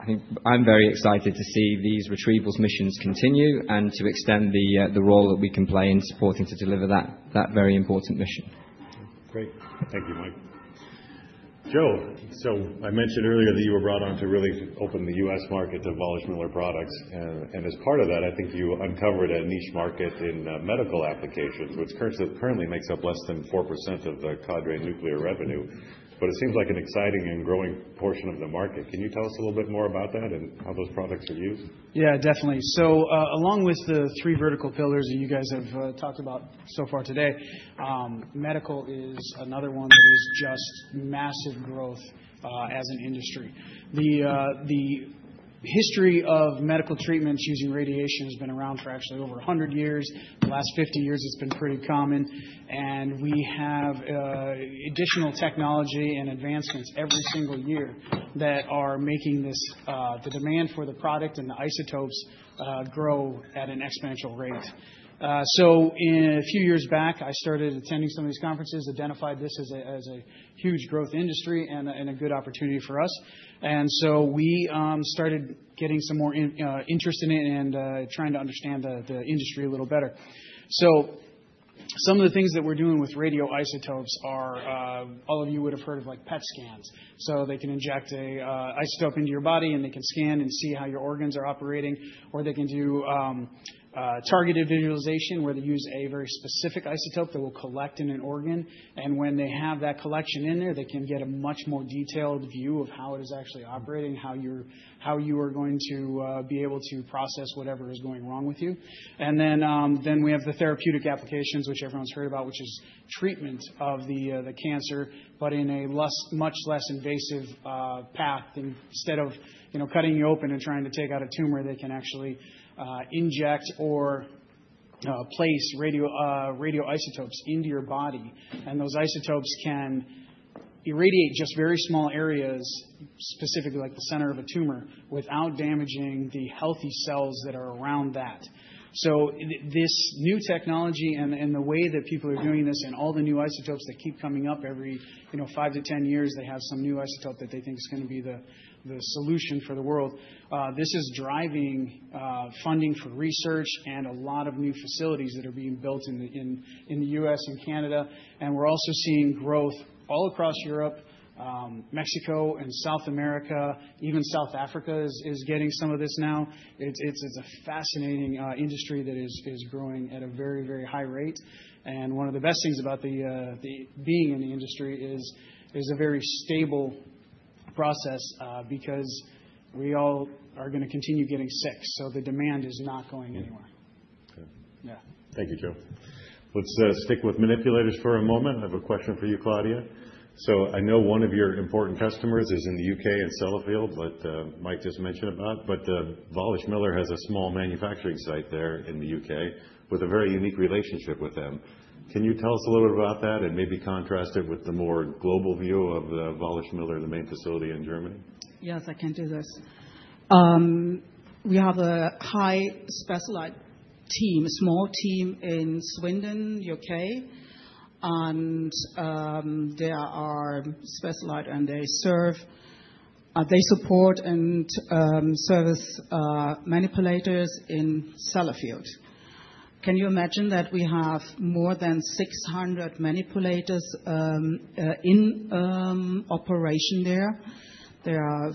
I think I'm very excited to see these retrievals missions continue and to extend the role that we can play in supporting to deliver that very important mission. Great. Thank you, Mike. Joe, so I mentioned earlier that you were brought on to really open the U.S. market to Wälischmiller products, and as part of that, I think you uncovered a niche market in medical applications, so it currently makes up less than 4% of the Cadre Nuclear revenue, but it seems like an exciting and growing portion of the market. Can you tell us a little bit more about that and how those products are used? Yeah, definitely, so along with the three vertical pillars that you guys have talked about so far today, medical is another one that is just massive growth as an industry. The history of medical treatments using radiation has been around for actually over 100 years. The last 50 years, it's been pretty common, and we have additional technology and advancements every single year that are making the demand for the product and the isotopes grow at an exponential rate, so a few years back, I started attending some of these conferences, identified this as a huge growth industry and a good opportunity for us, and so we started getting some more interest in it and trying to understand the industry a little better, so some of the things that we're doing with radioisotopes are, all of you would have heard of, like PET scans. They can inject an isotope into your body, and they can scan and see how your organs are operating. Or they can do targeted visualization, where they use a very specific isotope that will collect in an organ. And when they have that collection in there, they can get a much more detailed view of how it is actually operating, how you are going to be able to process whatever is going wrong with you. And then we have the therapeutic applications, which everyone's heard about, which is treatment of the cancer, but in a much less invasive path. Instead of cutting you open and trying to take out a tumor, they can actually inject or place radioisotopes into your body. And those isotopes can irradiate just very small areas, specifically like the center of a tumor, without damaging the healthy cells that are around that. So this new technology and the way that people are doing this and all the new isotopes that keep coming up every five years-10 years, they have some new isotope that they think is going to be the solution for the world. This is driving funding for research and a lot of new facilities that are being built in the U.S. and Canada. And we're also seeing growth all across Europe, Mexico and South America. Even South Africa is getting some of this now. It's a fascinating industry that is growing at a very, very high rate. And one of the best things about being in the industry is a very stable process because we all are going to continue getting sick. So the demand is not going anywhere. Good. Thank you, Joe. Let's stick with manipulators for a moment. I have a question for you, Claudia. So I know one of your important customers is in the U.K. and Sellafield, like Mike just mentioned about. But Wälischmiller has a small manufacturing site there in the U.K. with a very unique relationship with them. Can you tell us a little bit about that and maybe contrast it with the more global view of Wälischmiller, the main facility in Germany? Yes, I can do this. We have a highly specialized team, a small team in Swindon, U.K. And they are specialized, and they support and service manipulators in Sellafield. Can you imagine that we have more than 600 manipulators in operation there? There are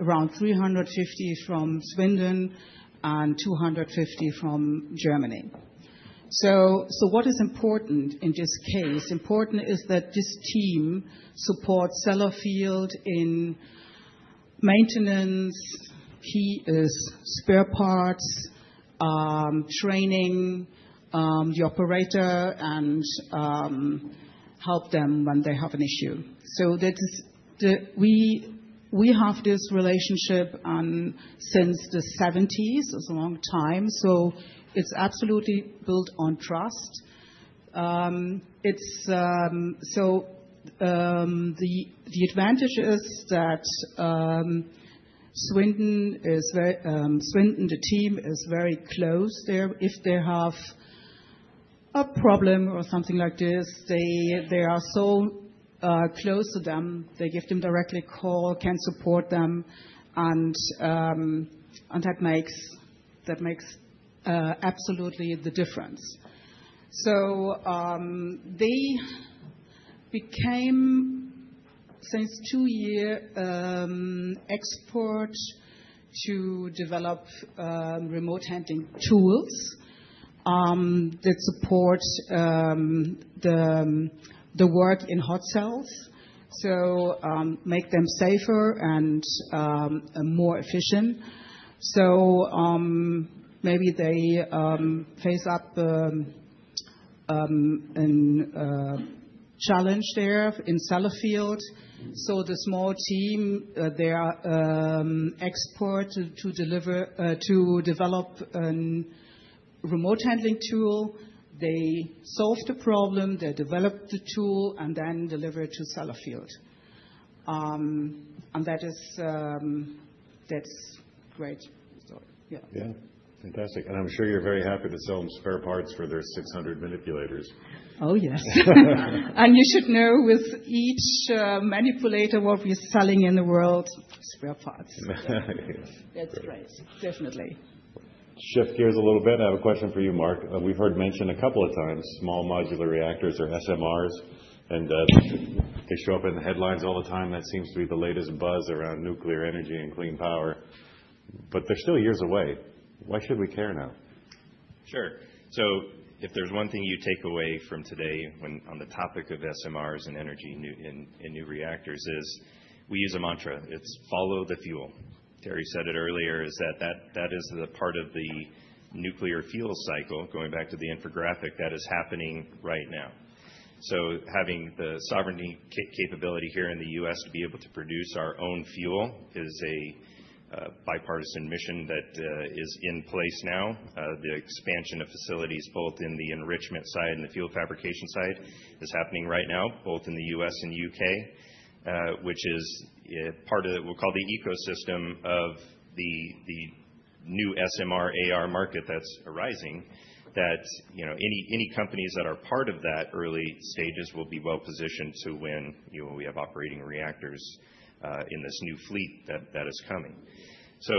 around 350 from Swindon and 250 from Germany. So what is important in this case? Important is that this team supports Sellafield in maintenance, key spare parts, training the operator, and help them when they have an issue. So we have this relationship since the 1970s. It's a long time. So it's absolutely built on trust. So the advantage is that Swindon, the team, is very close there. If they have a problem or something like this, they are so close to them. They give them directly a call, can support them. And that makes absolutely the difference. So they became, since two years, experts to develop remote handling tools that support the work in hot cells, so make them safer and more efficient. So maybe they faced a challenge there in Sellafield. So the small team, they are experts to develop a remote handling tool. They solve the problem, they develop the tool, and then deliver it to Sellafield. And that's a great story. Yeah. Yeah, fantastic. And I'm sure you're very happy to sell them spare parts for their 600 manipulators. Oh, yes, and you should know with each manipulator what we're selling in the world, spare parts. That's great. Definitely. Shift gears a little bit. I have a question for you, Marc. We've heard mention a couple of times Small Modular Reactors or SMRs, and they show up in the headlines all the time. That seems to be the latest buzz around nuclear energy and clean power, but they're still years away. Why should we care now? Sure. So if there's one thing you take away from today on the topic of SMRs and energy in new reactors, we use a mantra. It's follow the fuel. Terry said it earlier, that is the part of the nuclear fuel cycle, going back to the infographic, that is happening right now. So having the sovereignty capability here in the U.S. to be able to produce our own fuel is a bipartisan mission that is in place now. The expansion of facilities, both in the enrichment side and the fuel fabrication side, is happening right now, both in the U.S. and U.K., which is part of what we'll call the ecosystem of the new SMR era market that's arising, that any companies that are part of that early stages will be well positioned, too, when we have operating reactors in this new fleet that is coming. So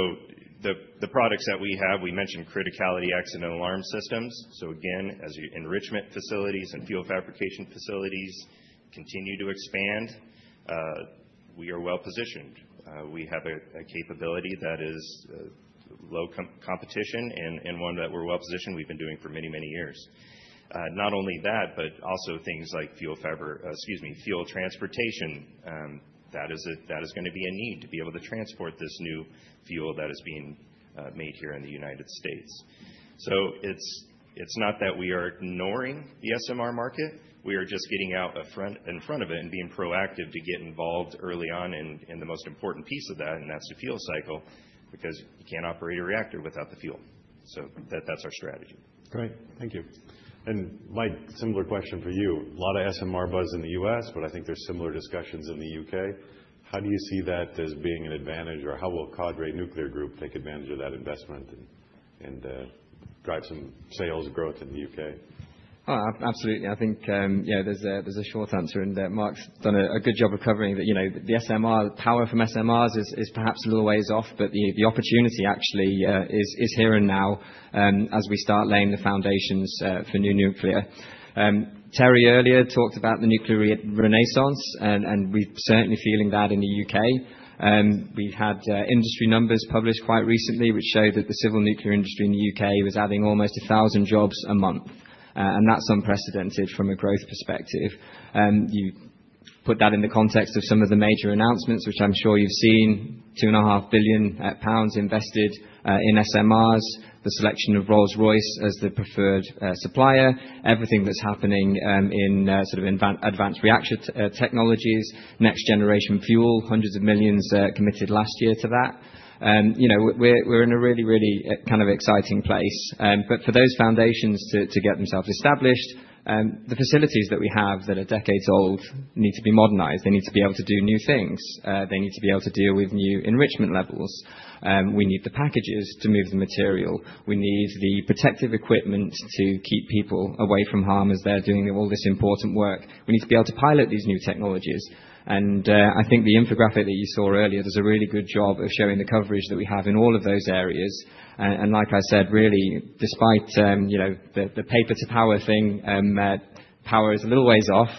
the products that we have, we mentioned Criticality Accident Alarm Systems, so again, as enrichment facilities and fuel fabrication facilities continue to expand, we are well positioned. We have a capability that is low competition and one that we're well positioned. We've been doing for many, many years. Not only that, but also things like fuel fiber, excuse me, fuel transportation. That is going to be a need to be able to transport this new fuel that is being made here in the United States, so it's not that we are ignoring the SMR market. We are just getting out in front of it and being proactive to get involved early on in the most important piece of that, and that's the fuel cycle, because you can't operate a reactor without the fuel, so that's our strategy. Great. Thank you. And Mike, similar question for you. A lot of SMR buzz in the U.S., but I think there's similar discussions in the U.K. How do you see that as being an advantage? Or how will Cadre Nuclear Group take advantage of that investment and drive some sales growth in the U.K.? Absolutely. I think there's a short answer, and Marc's done a good job of covering that the power from SMRs is perhaps a little ways off, but the opportunity actually is here and now as we start laying the foundations for new nuclear. Terry earlier talked about the nuclear renaissance, and we're certainly feeling that in the U.K. We've had industry numbers published quite recently, which show that the civil nuclear industry in the U.K. was adding almost 1,000 jobs a month, and that's unprecedented from a growth perspective. You put that in the context of some of the major announcements, which I'm sure you've seen, 2.5 billion pounds invested in SMRs, the selection of Rolls-Royce as the preferred supplier, everything that's happening in advanced reactor technologies, next generation fuel, hundreds of millions committed last year to that. We're in a really, really kind of exciting place. But for those foundations to get themselves established, the facilities that we have that are decades old need to be modernized. They need to be able to do new things. They need to be able to deal with new enrichment levels. We need the packages to move the material. We need the protective equipment to keep people away from harm as they're doing all this important work. We need to be able to pilot these new technologies. And I think the infographic that you saw earlier, there's a really good job of showing the coverage that we have in all of those areas. And like I said, really, despite the paper to power thing, power is a little ways off.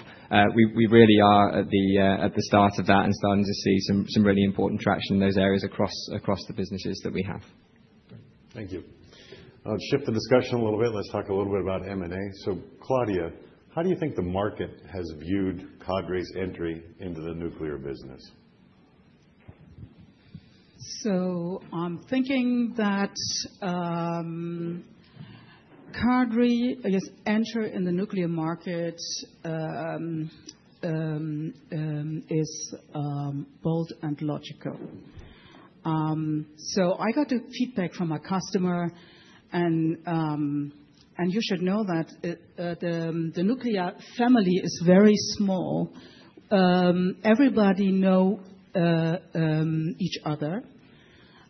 We really are at the start of that and starting to see some really important traction in those areas across the businesses that we have. Thank you. I'll shift the discussion a little bit. Let's talk a little bit about M&A. So Claudia, how do you think the market has viewed Cadre's entry into the Nuclear business? So I'm thinking that Cadre's entry in the nuclear market is bold and logical. So I got the feedback from a customer. And you should know that the nuclear family is very small. Everybody knows each other.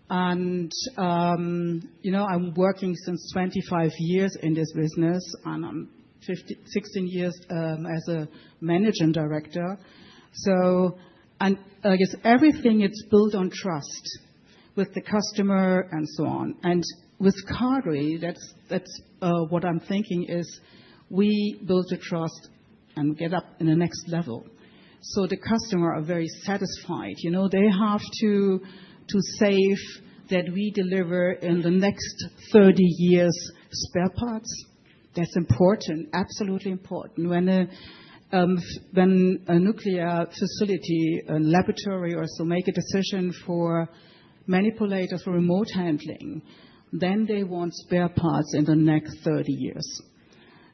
And I'm working since 25 years in this business and 16 years as a Managing Director. So everything is built on trust with the customer and so on. And with Cadre, that's what I'm thinking, is we build the trust and get up in the next level. So the customers are very satisfied. They have to save that we deliver in the next 30 years spare parts. That's important, absolutely important. When a nuclear facility, a laboratory, or so makes a decision for manipulators for remote handling, then they want spare parts in the next 30 years.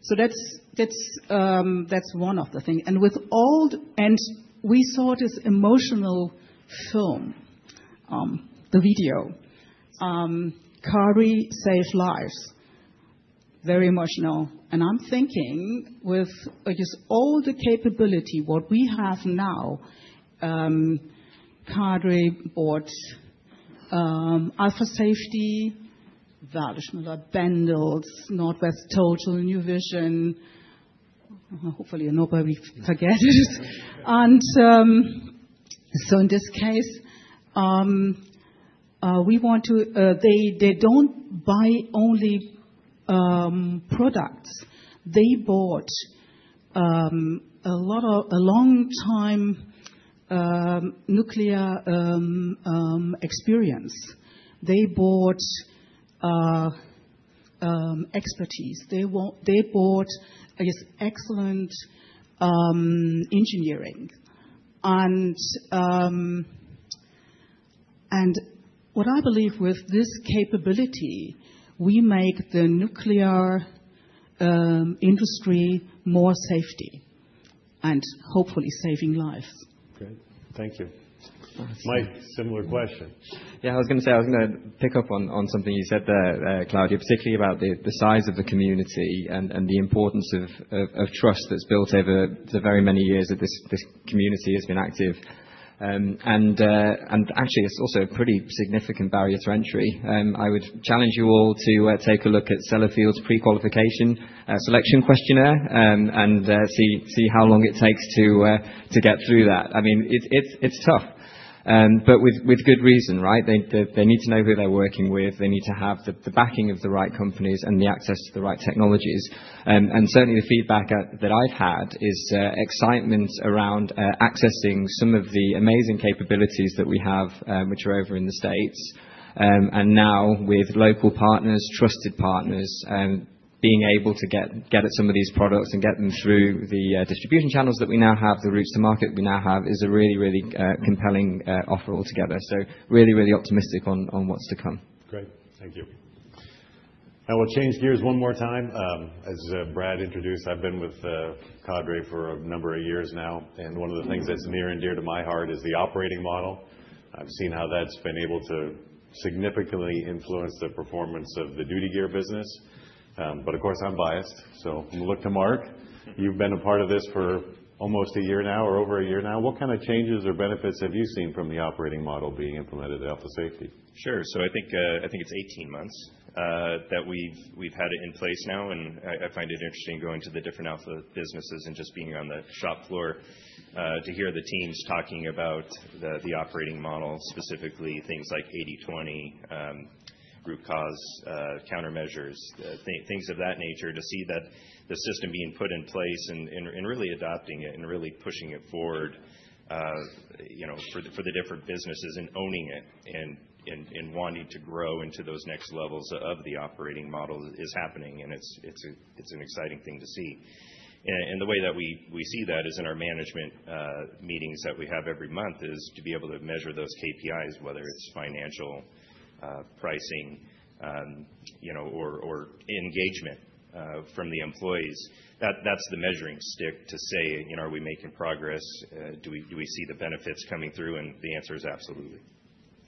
So that's one of the things. And with all. And we saw this emotional film, the video, Cadre saved lives, very emotional. And I'm thinking with all the capability, what we have now, Cadre bought Alpha Safety, Wälischmiller, Bendalls, Northwest Total, NuVision, hopefully nobody forgets. And so in this case, they don't buy only products. They bought a long-time nuclear experience. They bought expertise. They bought excellent engineering. And what I believe with this capability, we make the nuclear industry more safety and hopefully saving lives. Great. Thank you. Mike, similar question. Yeah, I was going to say, I was going to pick up on something you said there, Claudia, particularly about the size of the community and the importance of trust that's built over the very many years that this community has been active. And actually, it's also a pretty significant barrier to entry. I would challenge you all to take a look at Sellafield's pre-qualification selection questionnaire and see how long it takes to get through that. I mean, it's tough, but with good reason, right? They need to know who they're working with. They need to have the backing of the right companies and the access to the right technologies. And certainly, the feedback that I've had is excitement around accessing some of the amazing capabilities that we have, which are over in the States. And now with local partners, trusted partners, being able to get at some of these products and get them through the distribution channels that we now have, the routes to market we now have, is a really, really compelling offer altogether. So really, really optimistic on what's to come. Great. Thank you. Now we'll change gears one more time. As Brad introduced, I've been with Cadre for a number of years now, and one of the things that's near and dear to my heart is the operating model. I've seen how that's been able to significantly influence the performance of the Duty Gear business, but of course I'm biased, so I'm going to look to Marc. You've been a part of this for almost a year now or over a year now. What kind of changes or benefits have you seen from the operating model being implemented at Alpha Safety? Sure. So I think it's 18 months that we've had it in place now. And I find it interesting going to the different Alpha businesses and just being on the shop floor to hear the teams talking about the operating model, specifically things like 80/20, root cause, countermeasures, things of that nature, to see that the system being put in place and really adopting it and really pushing it forward for the different businesses and owning it and wanting to grow into those next levels of the operating model is happening. And it's an exciting thing to see. And the way that we see that is in our management meetings that we have every month is to be able to measure those KPIs, whether it's financial, pricing, or engagement from the employees. That's the measuring stick to say, are we making progress? Do we see the benefits coming through? The answer is absolutely.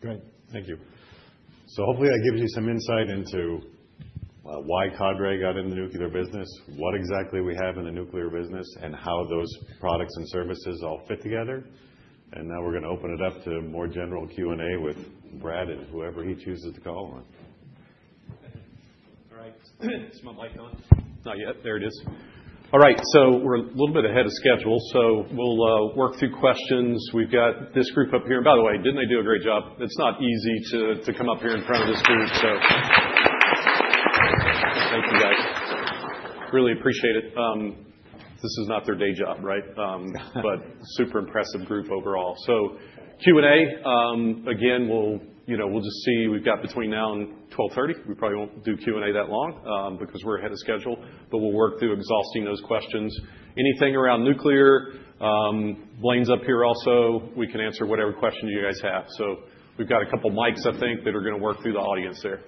Great. Thank you. So hopefully, that gives you some insight into why Cadre got into the Nuclear business, what exactly we have in the Nuclear business, and how those products and services all fit together. And now we're going to open it up to more general Q&A with Brad and whoever he chooses to call on. All right. Is my mic on? Not yet. There it is. All right. We're a little bit ahead of schedule. We'll work through questions. We've got this group up here. By the way, didn't they do a great job? It's not easy to come up here in front of this group. Thank you, guys. Really appreciate it. This is not their day job, right? Super impressive group overall. Q&A, again, we'll just see. We've got between now and 12:30 P.M. We probably won't do Q&A that long because we're ahead of schedule. We'll work through exhausting those questions. Anything around Nuclear. Blaine's up here also. We can answer whatever question you guys have. We've got a couple of mics, I think, that are going to work through the audience there.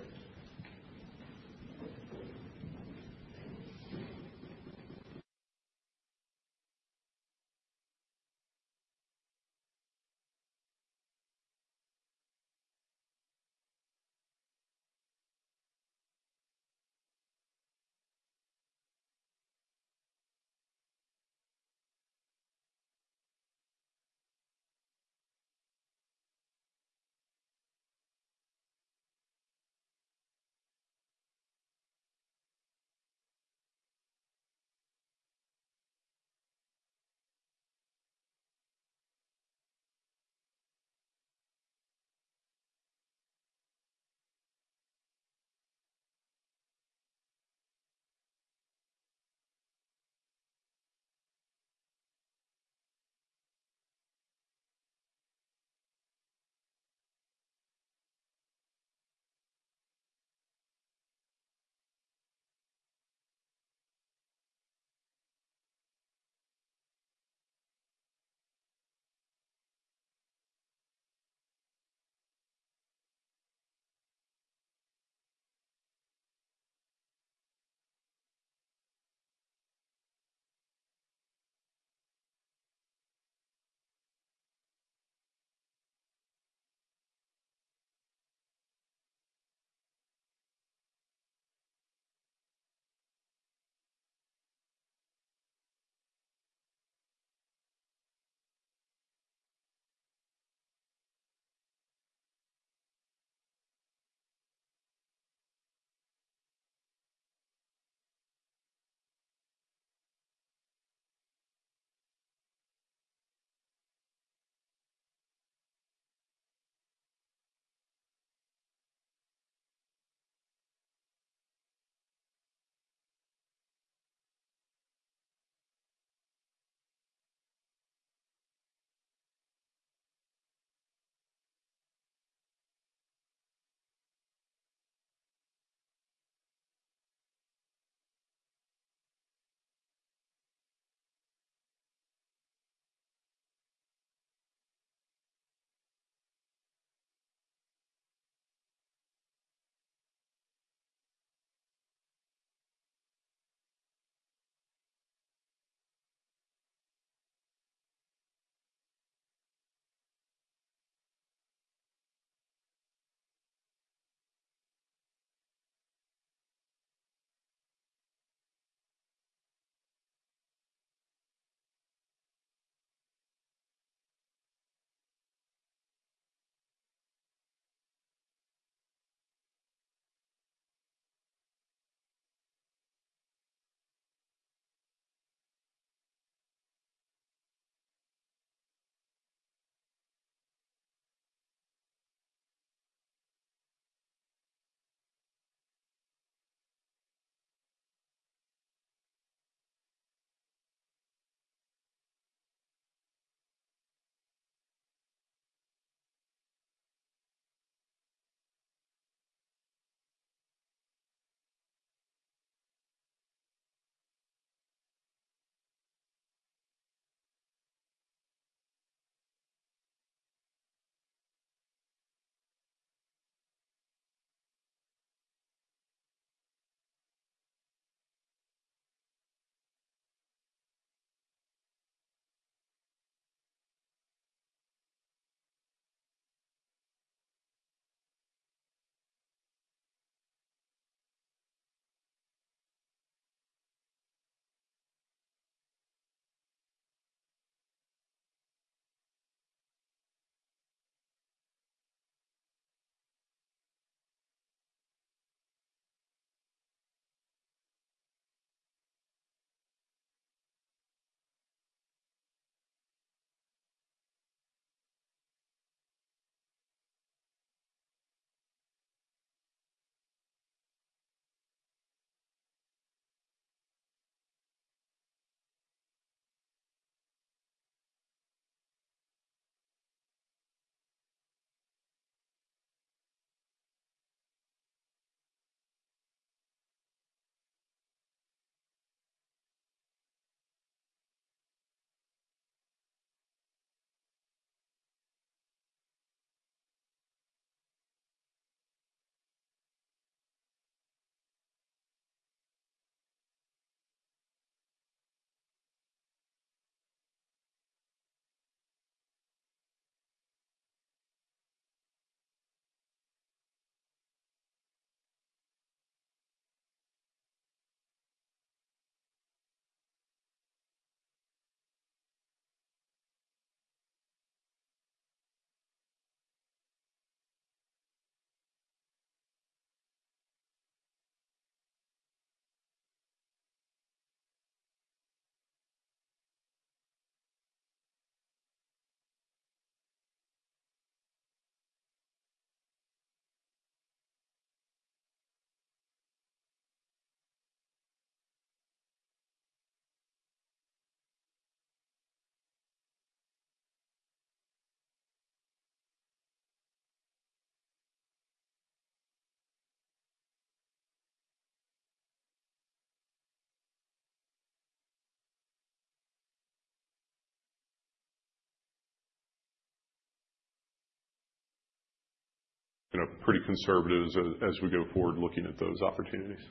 We're pretty conservative as we go forward looking at those opportunities.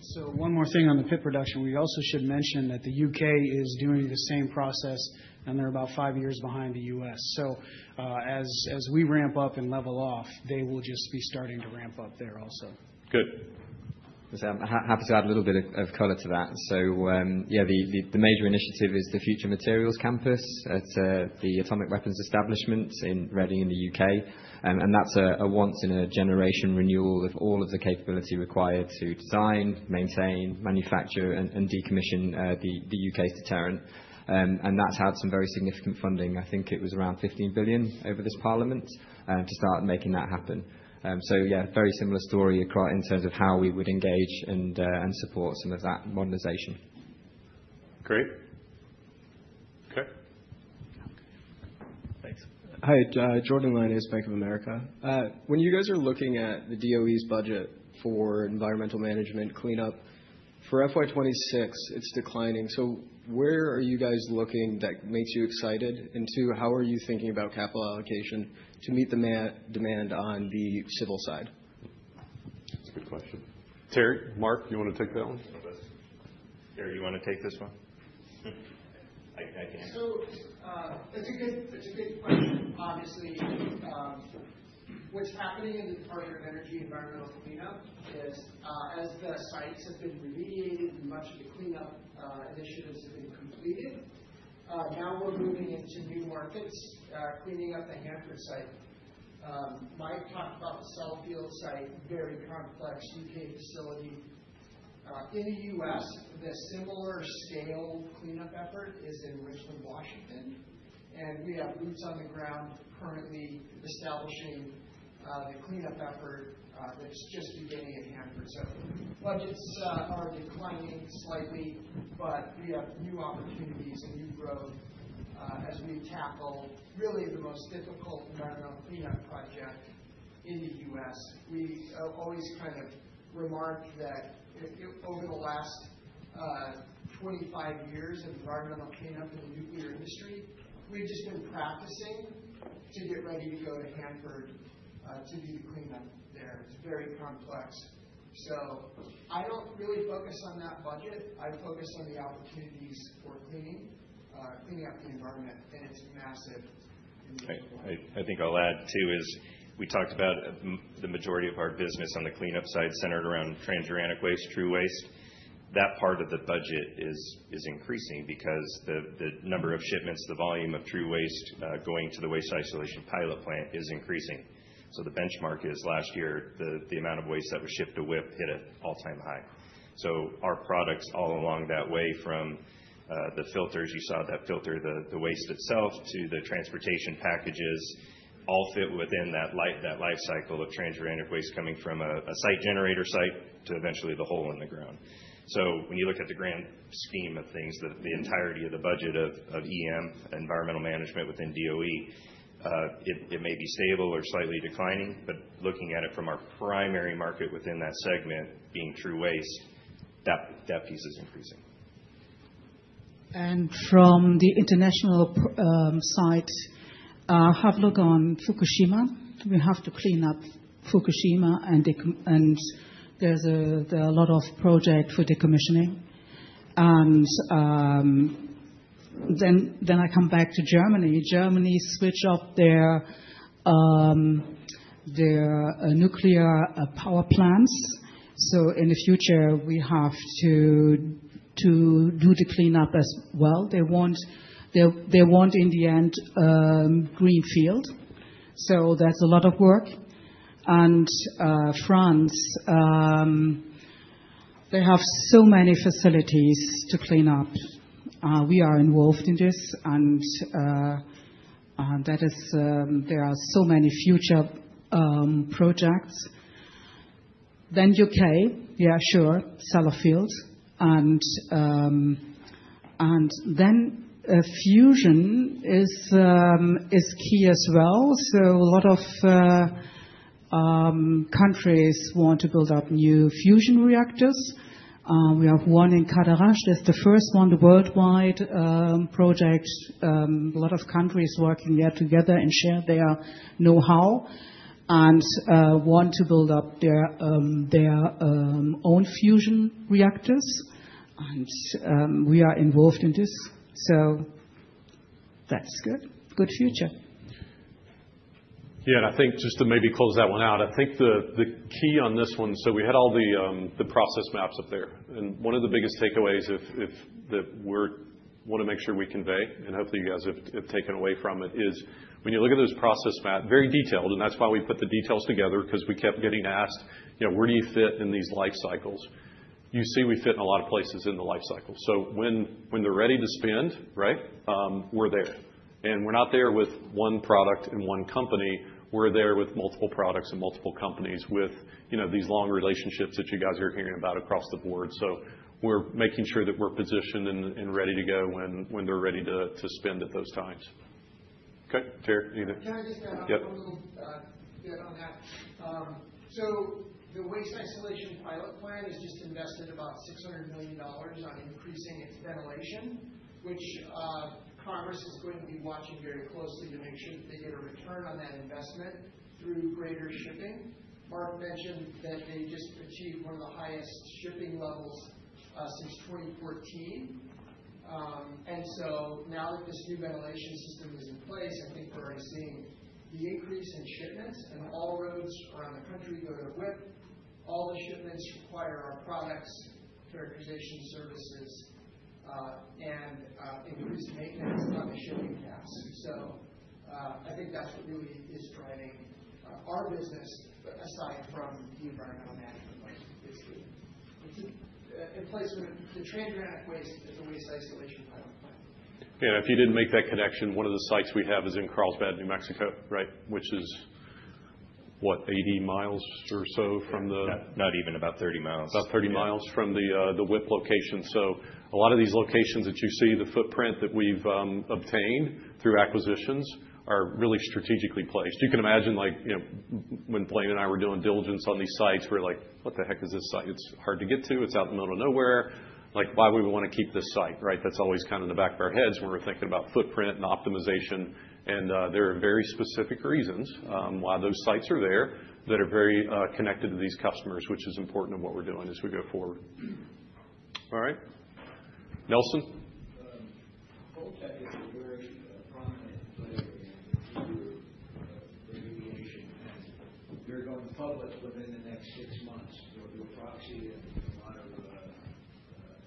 So one more thing on the pit production. We also should mention that the U.K. is doing the same process, and they're about five years behind the U.S. So as we ramp up and level off, they will just be starting to ramp up there also. Good. I'm happy to add a little bit of color to that. So yeah, the major initiative is the Future Materials Campus at the Atomic Weapons Establishment in Reading, in the U.K. And that's a once-in-a-generation renewal of all of the capability required to design, maintain, manufacture, and decommission the U.K.'s deterrent. And that's had some very significant funding. I think it was around 15 billion over this parliament to start making that happen. So yeah, very similar story in terms of how we would engage and support some of that modernization. Great. OK. Thanks. Hi, Jordan Lyonnais, Bank of America. When you guys are looking at the DOE's budget for Environmental Management cleanup, for FY 2026, it's declining, so where are you guys looking that makes you excited, and two, how are you thinking about capital allocation to meet the demand on the civil side? That's a good question. Terry, Marc, you want to take that one? Terry, you want to take this one? I can. That's a good question. Obviously, what's happening in the Department of Energy environmental cleanup is, as the sites have been remediated and much of the cleanup initiatives have been completed, now we're moving into new markets, cleaning up the Hanford Site. Mike talked about the Sellafield site, very complex U.K. facility. In the U.S., the similar scale cleanup effort is in Richland, Washington. We have boots on the ground currently establishing the cleanup effort that's just beginning at Hanford Site. Budgets are declining slightly, but we have new opportunities and new growth as we tackle really the most difficult environmental cleanup project in the U.S. We always kind of remark that over the last 25 years of environmental cleanup in the nuclear industry, we've just been practicing to get ready to go to Hanford to do the cleanup there. It's very complex. So I don't really focus on that budget. I focus on the opportunities for cleaning up the environment, and it's massive. I think I'll add too is we talked about the majority of our business on the cleanup side centered around transuranic waste, TRU waste. That part of the budget is increasing because the number of shipments, the volume of TRU waste going to the Waste Isolation Pilot Plant is increasing. So the benchmark is last year, the amount of waste that was shipped to WIPP hit an all-time high. So our products all along that way from the filters you saw, that filter, the waste itself, to the transportation packages all fit within that life cycle of transuranic waste coming from a site generator site to eventually the hole in the ground. So when you look at the grand scheme of things, the entirety of the budget of EM, Environmental Management within DOE, it may be stable or slightly declining. But looking at it from our primary market within that segment being TRU waste, that piece is increasing. From the international side, have a look on Fukushima. We have to clean up Fukushima, and there's a lot of project for decommissioning. Then I come back to Germany. Germany shut down their nuclear power plants. So in the future, we have to do the cleanup as well. They want, in the end, Greenfield. So that's a lot of work. And France, they have so many facilities to clean up. We are involved in this. And there are so many future projects. Then U.K., yeah, sure, Sellafield. And then fusion is key as well. So a lot of countries want to build up new fusion reactors. We have one in Cadarache. That's the first one, the worldwide project. A lot of countries working there together and share their know-how and want to build up their own fusion reactors. And we are involved in this. So that's good. Good future. Yeah. And I think just to maybe close that one out, I think the key on this one, so we had all the process maps up there. And one of the biggest takeaways that we want to make sure we convey, and hopefully, you guys have taken away from it, is when you look at those process maps, very detailed. And that's why we put the details together, because we kept getting asked, where do you fit in these life cycles? You see, we fit in a lot of places in the life cycle. So when they're ready to spend, right, we're there. And we're not there with one product and one company. We're there with multiple products and multiple companies with these long relationships that you guys are hearing about across the board. So we're making sure that we're positioned and ready to go when they're ready to spend at those times. OK. Terry, anything? Can I just add a little bit on that? So the Waste Isolation Pilot Plant has just invested about $600 million on increasing its ventilation, which Congress is going to be watching very closely to make sure that they get a return on that investment through greater shipping. Marc mentioned that they just achieved one of the highest shipping levels since 2014, and so now that this new ventilation system is in place, I think we're already seeing the increase in shipments, and all roads around the country go to WIPP. All the shipments require our products, characterization services, and increased maintenance on the shipping cask, so I think that's what really is driving our business, aside from the Environmental Management market. It's the emplacement of the transuranic waste at the Waste Isolation Pilot Plant. Yeah. And if you didn't make that connection, one of the sites we have is in Carlsbad, New Mexico, right, which is what, 80 miles or so from the. Not even about 30 mi. About 30 mi from the WIPP location. So a lot of these locations that you see, the footprint that we've obtained through acquisitions are really strategically placed. You can imagine when Blaine and I were doing diligence on these sites, we're like, what the heck is this site? It's hard to get to. It's out in the middle of nowhere. Why would we want to keep this site, right? That's always kind of in the back of our heads when we're thinking about footprint and optimization. And there are very specific reasons why those sites are there that are very connected to these customers, which is important in what we're doing as we go forward. All right. Nelson? Holtec is a very prominent player in the future remediation, and they're going public within the next six months. There'll be a proxy and a lot of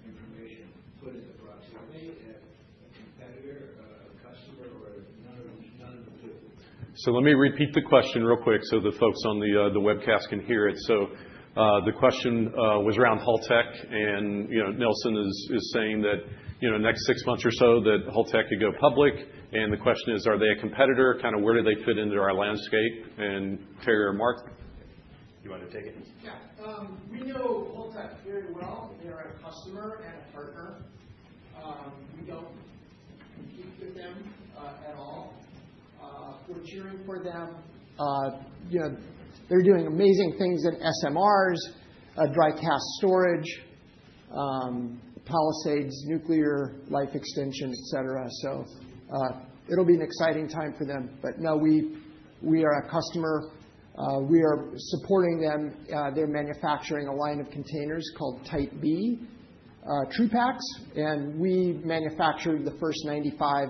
information put into the proxy. Are they a competitor, a customer, or none of the two? So let me repeat the question real quick so the folks on the webcast can hear it. So the question was around Holtec. And Nelson is saying that next six months or so, that Holtec could go public. And the question is, are they a competitor? Kind of, where do they fit into our landscape? And Terry or Marc? You want to take it? Yeah. We know Holtec very well. They're a customer and a partner. We don't compete with them at all. We're cheering for them. They're doing amazing things in SMRs, dry cask storage, Palisades nuclear life extension, et cetera. So it'll be an exciting time for them. But no, we are a customer. We are supporting them. They're manufacturing a line of containers called Type B, TRUPACTs. And we manufactured the first 95,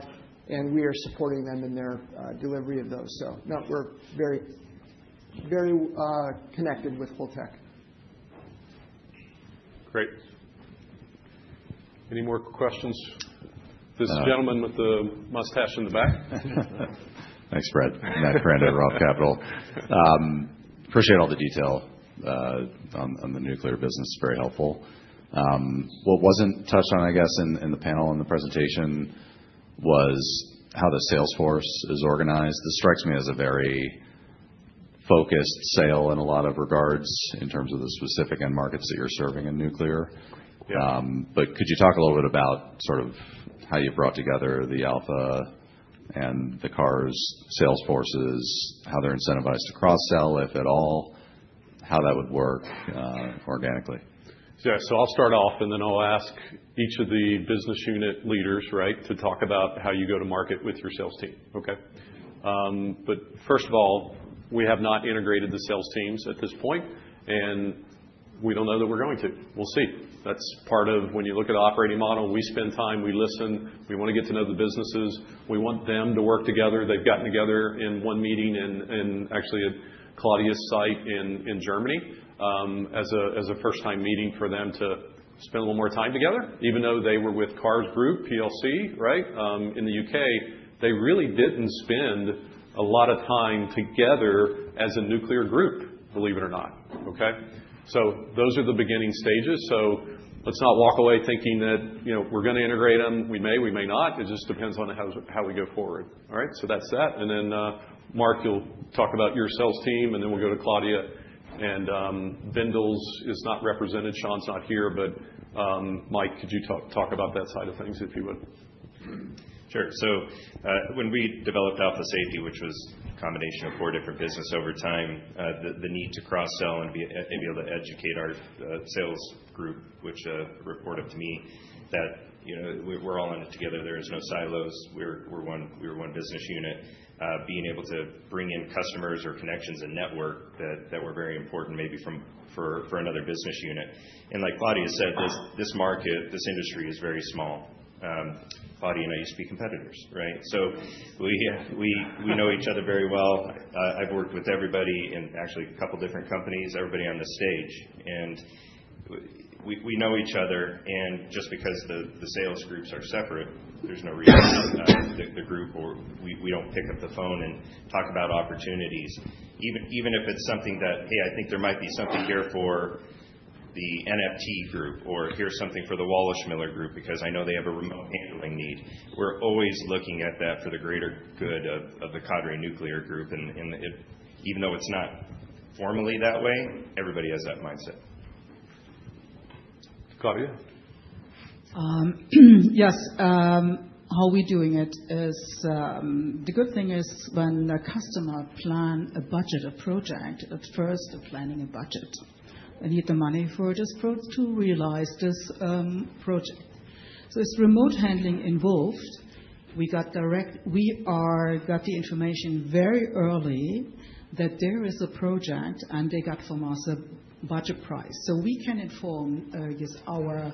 and we are supporting them in their delivery of those. So no, we're very connected with Holtec. Great. Any more questions? This gentleman with the mustache in the back. Thanks, Brad. Matt Koranda at ROTH Capital. Appreciate all the detail on the Nuclear business. Very helpful. What wasn't touched on, I guess, in the panel and the presentation was how the sales force is organized. This strikes me as a very focused sale in a lot of regards in terms of the specific end markets that you're serving in Nuclear. But could you talk a little bit about sort of how you've brought together the Alpha and the Carrs sales forces, how they're incentivized to cross-sell, if at all, how that would work organically? Yeah. So I'll start off, and then I'll ask each of the business unit leaders, right, to talk about how you go to market with your sales team. OK? But first of all, we have not integrated the sales teams at this point, and we don't know that we're going to. We'll see. That's part of when you look at an operating model. We spend time. We listen. We want to get to know the businesses. We want them to work together. They've gotten together in one meeting in actually a Claudia's site in Germany as a first-time meeting for them to spend a little more time together. Even though they were with Carr's Group plc, right, in the U.K., they really didn't spend a lot of time together as a nuclear group, believe it or not. OK? So those are the beginning stages. So let's not walk away thinking that we're going to integrate them. We may. We may not. It just depends on how we go forward. All right? So that's that. And then, Marc, you'll talk about your sales team, and then we'll go to Claudia. And Bendalls is not represented. Sean's not here. But Mike, could you talk about that side of things, if you would? Sure. So when we developed Alpha Safety, which was a combination of four different businesses over time, the need to cross-sell and be able to educate our sales group, which reported to me, that we're all in it together. There are no silos. We're one business unit. Being able to bring in customers or connections and network that were very important maybe for another business unit. And like Claudia said, this market, this industry is very small. Claudia and I used to be competitors, right? So we know each other very well. I've worked with everybody in actually a couple of different companies, everybody on the stage. And we know each other. And just because the sales groups are separate, there's no reason that the group or we don't pick up the phone and talk about opportunities. Even if it's something that, hey, I think there might be something here for the NFT group or here's something for the Wälischmiller group because I know they have a remote handling need. We're always looking at that for the greater good of the Cadre Nuclear Group. And even though it's not formally that way, everybody has that mindset. Claudia? Yes. How are we doing it? The good thing is when a customer plans a budgeted project, at first, planning a budget. I need the money for this proj to realize this project. So it's remote handling involved. We got the information very early that there is a project, and they got from us a budget price. So we can inform our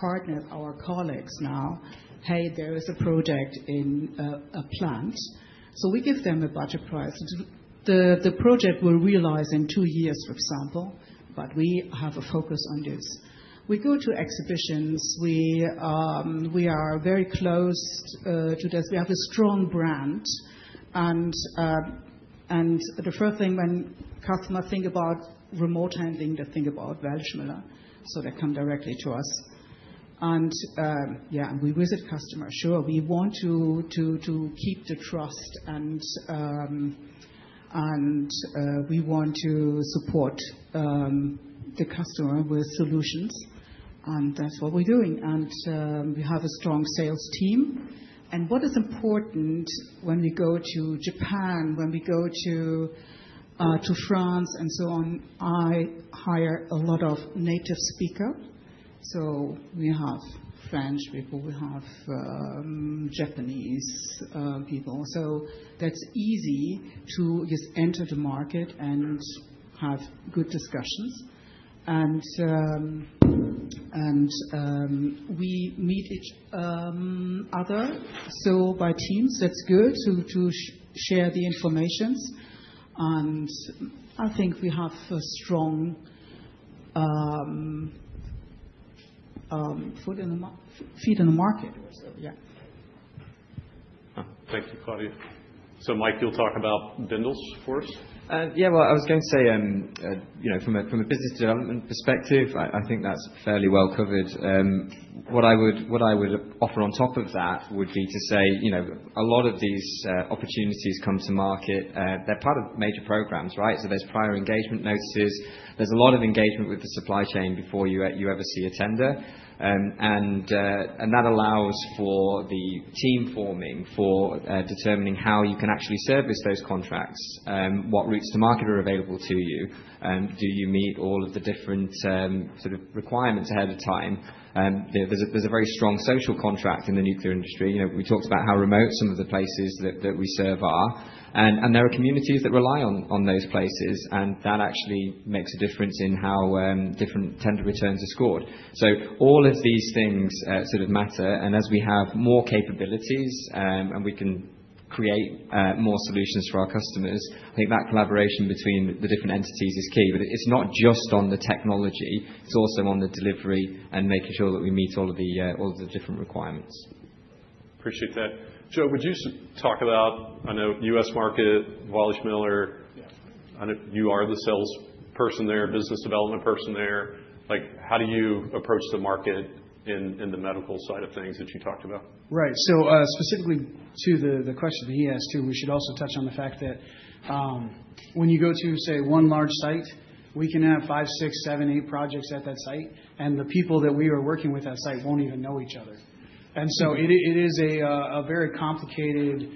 partners, our colleagues now, hey, there is a project in a plant. So we give them a budget price. The project will realize in two years, for example. But we have a focus on this. We go to exhibitions. We are very close to this. We have a strong brand. And the first thing when customers think about remote handling, they think about Wälischmiller. So they come directly to us. And yeah, we visit customers. Sure, we want to keep the trust, and we want to support the customer with solutions. And that's what we're doing. And we have a strong sales team. And what is important when we go to Japan, when we go to France and so on, I hire a lot of native speakers. So we have French people. We have Japanese people. So that's easy to just enter the market and have good discussions. And we meet each other by Teams. That's good to share the information. And I think we have a strong foothold in the market. Yeah. Thank you, Claudia. So Mike, you'll talk about Bendalls for us? Yeah. Well, I was going to say, from a business development perspective, I think that's fairly well covered. What I would offer on top of that would be to say a lot of these opportunities come to market. They're part of major programs, right? So there's prior engagement notices. There's a lot of engagement with the supply chain before you ever see a tender. And that allows for the team forming for determining how you can actually service those contracts, what routes to market are available to you. Do you meet all of the different sort of requirements ahead of time? There's a very strong social contract in the nuclear industry. We talked about how remote some of the places that we serve are. And there are communities that rely on those places. And that actually makes a difference in how different tender returns are scored. So all of these things sort of matter. And as we have more capabilities and we can create more solutions for our customers, I think that collaboration between the different entities is key. But it's not just on the technology. It's also on the delivery and making sure that we meet all of the different requirements. Appreciate that. Joe, would you talk about, I know, U.S. market, Wälischmiller. I know you are the salesperson there, business development person there. How do you approach the market in the medical side of things that you talked about? Right. So specifically to the question that he asked, too, we should also touch on the fact that when you go to, say, one large site, we can have five, six, seven, eight projects at that site. And the people that we are working with at that site won't even know each other. And so it is a very complicated,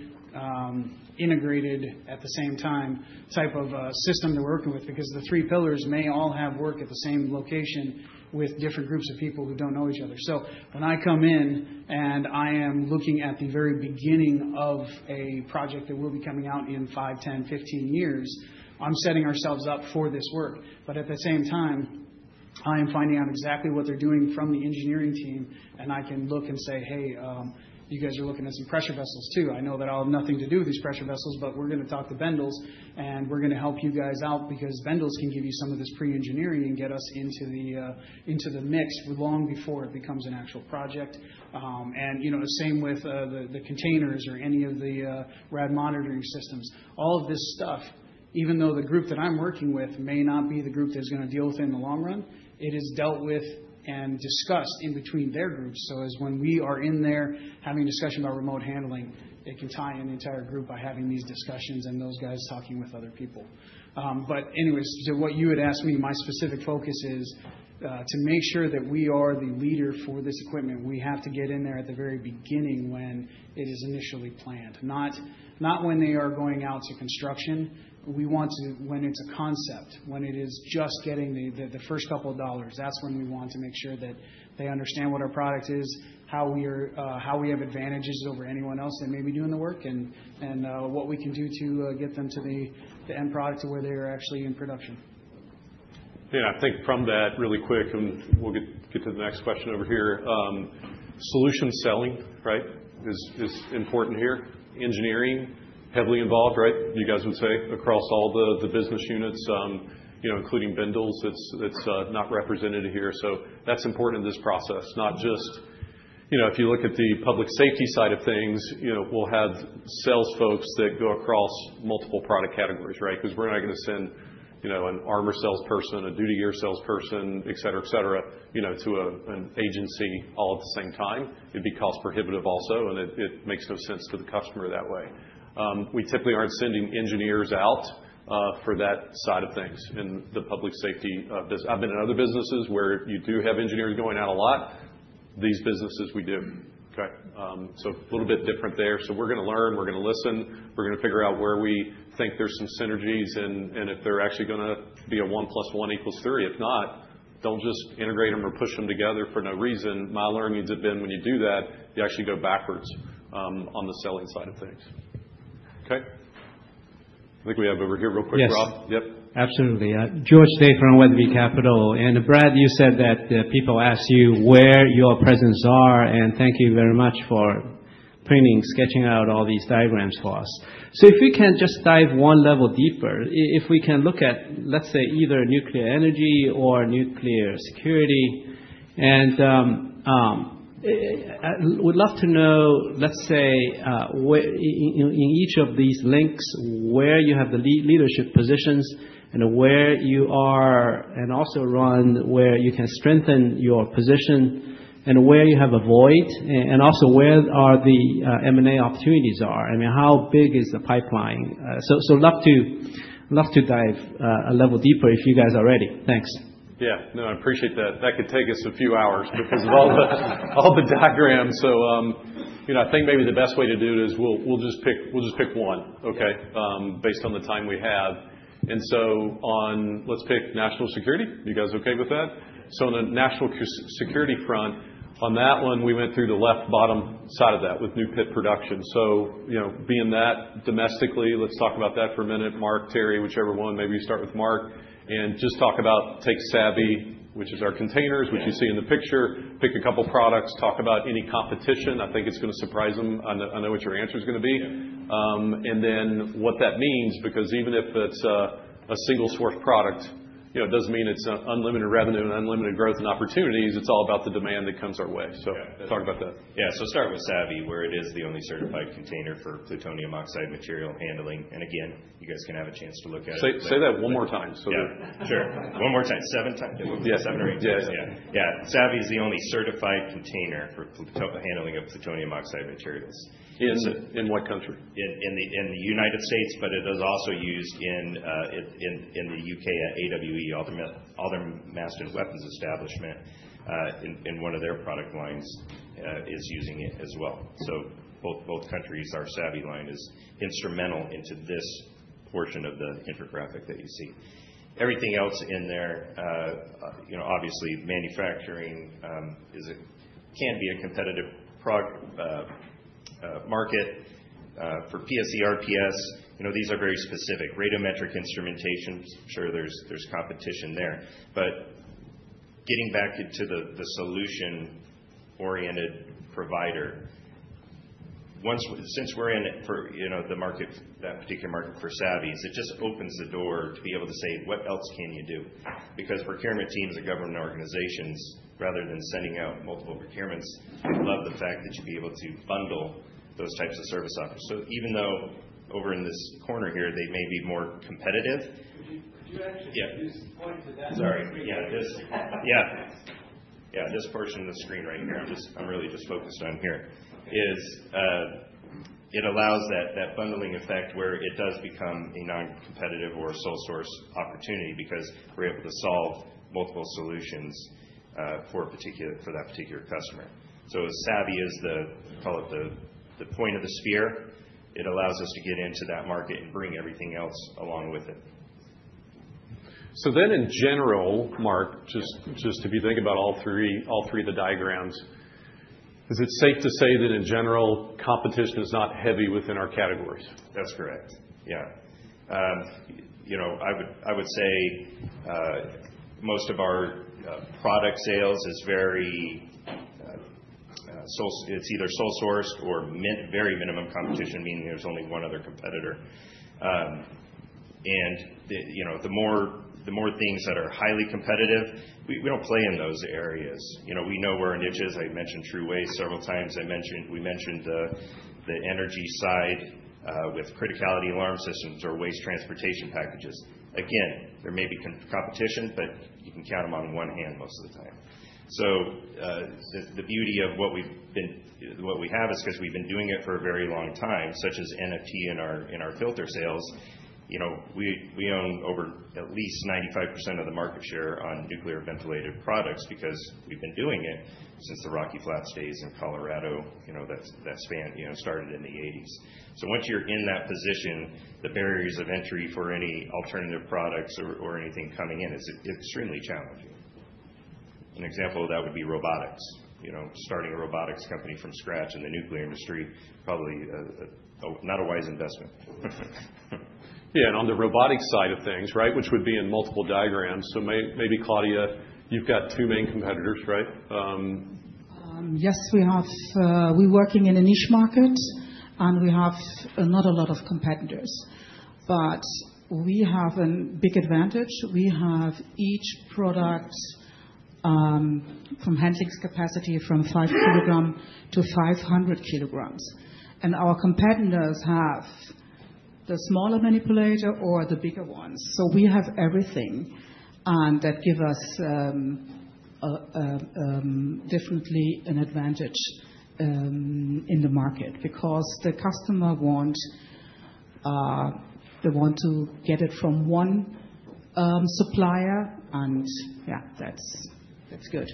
integrated at the same time type of system to work with because the three pillars may all have work at the same location with different groups of people who don't know each other. So when I come in and I am looking at the very beginning of a project that will be coming out in five, 10, 15 years, I'm setting ourselves up for this work. But at the same time, I am finding out exactly what they're doing from the engineering team. I can look and say, hey, you guys are looking at some pressure vessels, too. I know that I'll have nothing to do with these pressure vessels, but we're going to talk to Bendalls. And we're going to help you guys out because Bendalls can give you some of this pre-engineering and get us into the mix long before it becomes an actual project. And the same with the containers or any of the rad monitoring systems. All of this stuff, even though the group that I'm working with may not be the group that is going to deal with it in the long run, it is dealt with and discussed in between their groups. So as when we are in there having a discussion about remote handling, it can tie in the entire group by having these discussions and those guys talking with other people. But anyways, to what you had asked me, my specific focus is to make sure that we are the leader for this equipment. We have to get in there at the very beginning when it is initially planned, not when they are going out to construction. We want to when it's a concept, when it is just getting the first couple of dollars. That's when we want to make sure that they understand what our product is, how we have advantages over anyone else that may be doing the work, and what we can do to get them to the end product to where they are actually in production. Yeah. I think from that really quick, and we'll get to the next question over here. Solution selling, right, is important here. Engineering, heavily involved, right, you guys would say, across all the business units, including Bendalls. It's not represented here. So that's important in this process, not just if you look at the public safety side of things. We'll have sales folks that go across multiple product categories, right, because we're not going to send an Armor salesperson, a Duty Gear salesperson, et cetera, et cetera, to an agency all at the same time. It'd be cost prohibitive also, and it makes no sense to the customer that way. We typically aren't sending engineers out for that side of things in the public safety business. I've been in other businesses where you do have engineers going out a lot. These businesses, we do. OK? So a little bit different there. So we're going to learn. We're going to listen. We're going to figure out where we think there's some synergies and if they're actually going to be a one plus one equals three. If not, don't just integrate them or push them together for no reason. My learning has been when you do that, you actually go backwards on the selling side of things. OK? I think we have over here real quick, Rob. Yep. Absolutely. George Dai from Weatherbie Capital. And Brad, you said that people ask you where your presence are. And thank you very much for printing, sketching out all these diagrams for us. So if we can just dive one level deeper, if we can look at, let's say, either Nuclear Energy or Nuclear Security. And I would love to know, let's say, in each of these links, where you have the leadership positions and where you are and also run where you can strengthen your position and where you have a void and also where the M&A opportunities are. I mean, how big is the pipeline? So I'd love to dive a level deeper if you guys are ready. Thanks. Yeah. No, I appreciate that. That could take us a few hours because of all the diagrams, so I think maybe the best way to do it is we'll just pick one, OK, based on the time we have, and so let's pick National Security. You guys OK with that, so on the National Security front, on that one, we went through the left bottom side of that with new pit production, so being that domestically, let's talk about that for a minute, Marc, Terry, whichever one. Maybe we start with Marc, and just talk about take SAVY, which is our containers, which you see in the picture. Pick a couple of products. Talk about any competition. I think it's going to surprise them. I know what your answer is going to be. And then what that means, because even if it's a single source product, it doesn't mean it's unlimited revenue and unlimited growth and opportunities. It's all about the demand that comes our way. So talk about that. Yeah. So start with SAVY, where it is the only certified container for plutonium oxide material handling. And again, you guys can have a chance to look at it. Say that one more time. Sure. One more time. Seven times. Seven or eight times. Yeah. SAVY is the only certified container for handling of plutonium oxide materials. In what country? In the United States, but it is also used in the U.K. at AWE Aldermaston Weapons Establishment, and one of their product lines is using it as well, so both countries, our SAVY line is instrumental into this portion of the infographic that you see. Everything else in there, obviously, manufacturing can be a competitive market for PSC, RPS. These are very specific. Radiometric instrumentation, I'm sure there's competition there, but getting back into the solution-oriented provider, since we're in the market, that particular market for SAVY, it just opens the door to be able to say, what else can you do? Because procurement teams and government organizations, rather than sending out multiple procurements, they love the fact that you'd be able to bundle those types of service offers, so even though over in this corner here, they may be more competitive. Would you actually use the point to that? Sorry. Yeah. Yeah. This portion of the screen right here, I'm really just focused on here, is. It allows that bundling effect where it does become a non-competitive or sole source opportunity because we're able to solve multiple solutions for that particular customer, so SAVY is, call it, the point of the spear. It allows us to get into that market and bring everything else along with it. So then in general, Marc, just if you think about all three of the diagrams, is it safe to say that in general, competition is not heavy within our categories? That's correct. Yeah. I would say most of our product sales is very it's either sole sourced or very minimum competition, meaning there's only one other competitor. And the more things that are highly competitive, we don't play in those areas. We know where our niche is. I mentioned TRU waste several times. We mentioned the energy side with criticality alarm systems or waste transportation packages. Again, there may be competition, but you can count them on one hand most of the time. So the beauty of what we have is because we've been doing it for a very long time, such as NFT in our filter sales. We own over at least 95% of the market share on nuclear ventilated products because we've been doing it since the Rocky Flats site in Colorado. That span started in the 1980s. Once you're in that position, the barriers of entry for any alternative products or anything coming in is extremely challenging. An example of that would be robotics. Starting a robotics company from scratch in the nuclear industry, probably not a wise investment. Yeah, and on the robotics side of things, right? Which would be in multiple diagrams, so maybe Claudia, you've got two main competitors, right? Yes, we have. We're working in a niche market, and we have not a lot of competitors. But we have a big advantage. We have each product from handling capacity from five kg to 500 kg. And our competitors have the smaller manipulator or the bigger ones. So we have everything. And that gives us a definite advantage in the market because the customer wants to get it from one supplier. And yeah, that's good.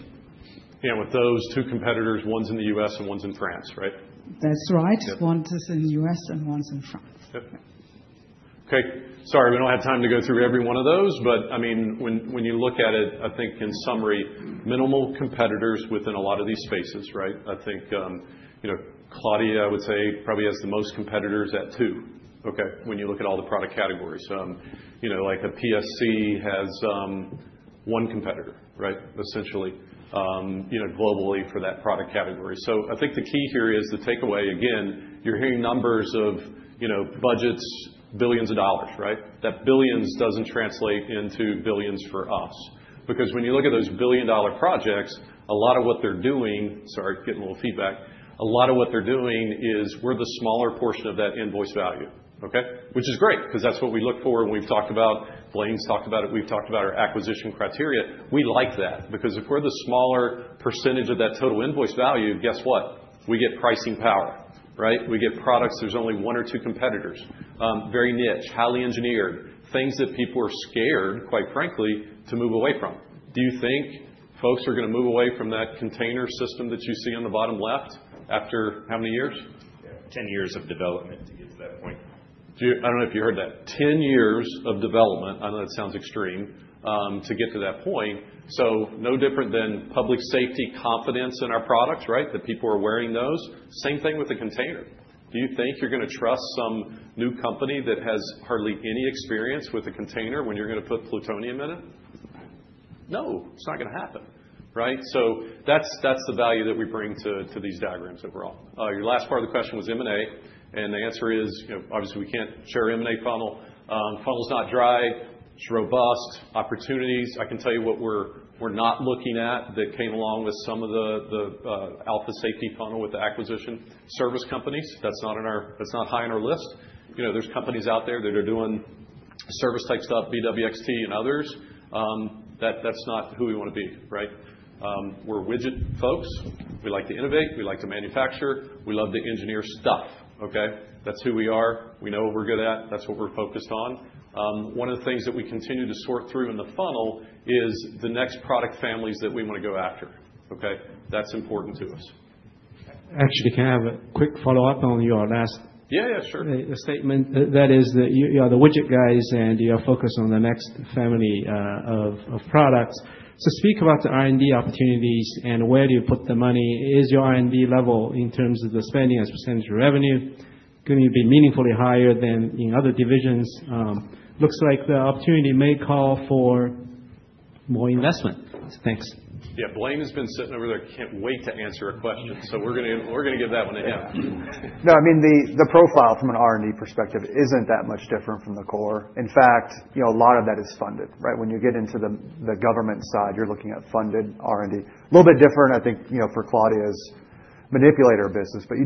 Yeah. With those two competitors, one's in the U.S. and one's in France, right? That's right. One is in the U.S. and one's in France. Yep. OK. Sorry, we don't have time to go through every one of those. But I mean, when you look at it, I think in summary, minimal competitors within a lot of these spaces, right? I think Claudia, I would say, probably has the most competitors at two, OK, when you look at all the product categories. Like a PSC has one competitor, right, essentially globally for that product category. So I think the key here is the takeaway. Again, you're hearing numbers of budgets, billions of dollars, right? That billions doesn't translate into billions for us. Because when you look at those billion-dollar projects, a lot of what they're doing sorry, getting a little feedback. A lot of what they're doing is we're the smaller portion of that invoice value, OK, which is great because that's what we look for. And we've talked about Blaine's talked about it. We've talked about our acquisition criteria. We like that because if we're the smaller percentage of that total invoice value, guess what? We get pricing power, right? We get products. There's only one or two competitors, very niche, highly engineered, things that people are scared, quite frankly, to move away from. Do you think folks are going to move away from that container system that you see on the bottom left after how many years? 10 years of development to get to that point. I don't know if you heard that. 10 years of development. I know that sounds extreme to get to that point. So no different than public safety confidence in our products, right, that people are wearing those. Same thing with the container. Do you think you're going to trust some new company that has hardly any experience with a container when you're going to put plutonium in it? No. It's not going to happen, right? So that's the value that we bring to these diagrams overall. Your last part of the question was M&A, and the answer is, obviously, we can't share M&A funnel. Funnel's not dry. It's robust. Opportunities. I can tell you what we're not looking at that came along with some of the Alpha Safety funnel with the acquisition service companies. That's not high on our list. There's companies out there that are doing service-type stuff, BWXT and others. That's not who we want to be, right? We're widget folks. We like to innovate. We like to manufacture. We love to engineer stuff, OK? That's who we are. We know what we're good at. That's what we're focused on. One of the things that we continue to sort through in the funnel is the next product families that we want to go after, OK? That's important to us. Actually, can I have a quick follow-up on your last? Yeah, yeah, sure. Statement. That is the widget guys and your focus on the next family of products. So speak about the R&D opportunities and where do you put the money. Is your R&D level in terms of the spending as percentage of revenue going to be meaningfully higher than in other divisions? Looks like the opportunity may call for more investment. Thanks. Yeah. Blaine has been sitting over there. Can't wait to answer a question. So we're going to give that one to him. No, I mean, the profile from an R&D perspective isn't that much different from the core. In fact, a lot of that is funded, right? When you get into the government side, you're looking at funded R&D. A little bit different, I think, for Claudia's manipulator business. But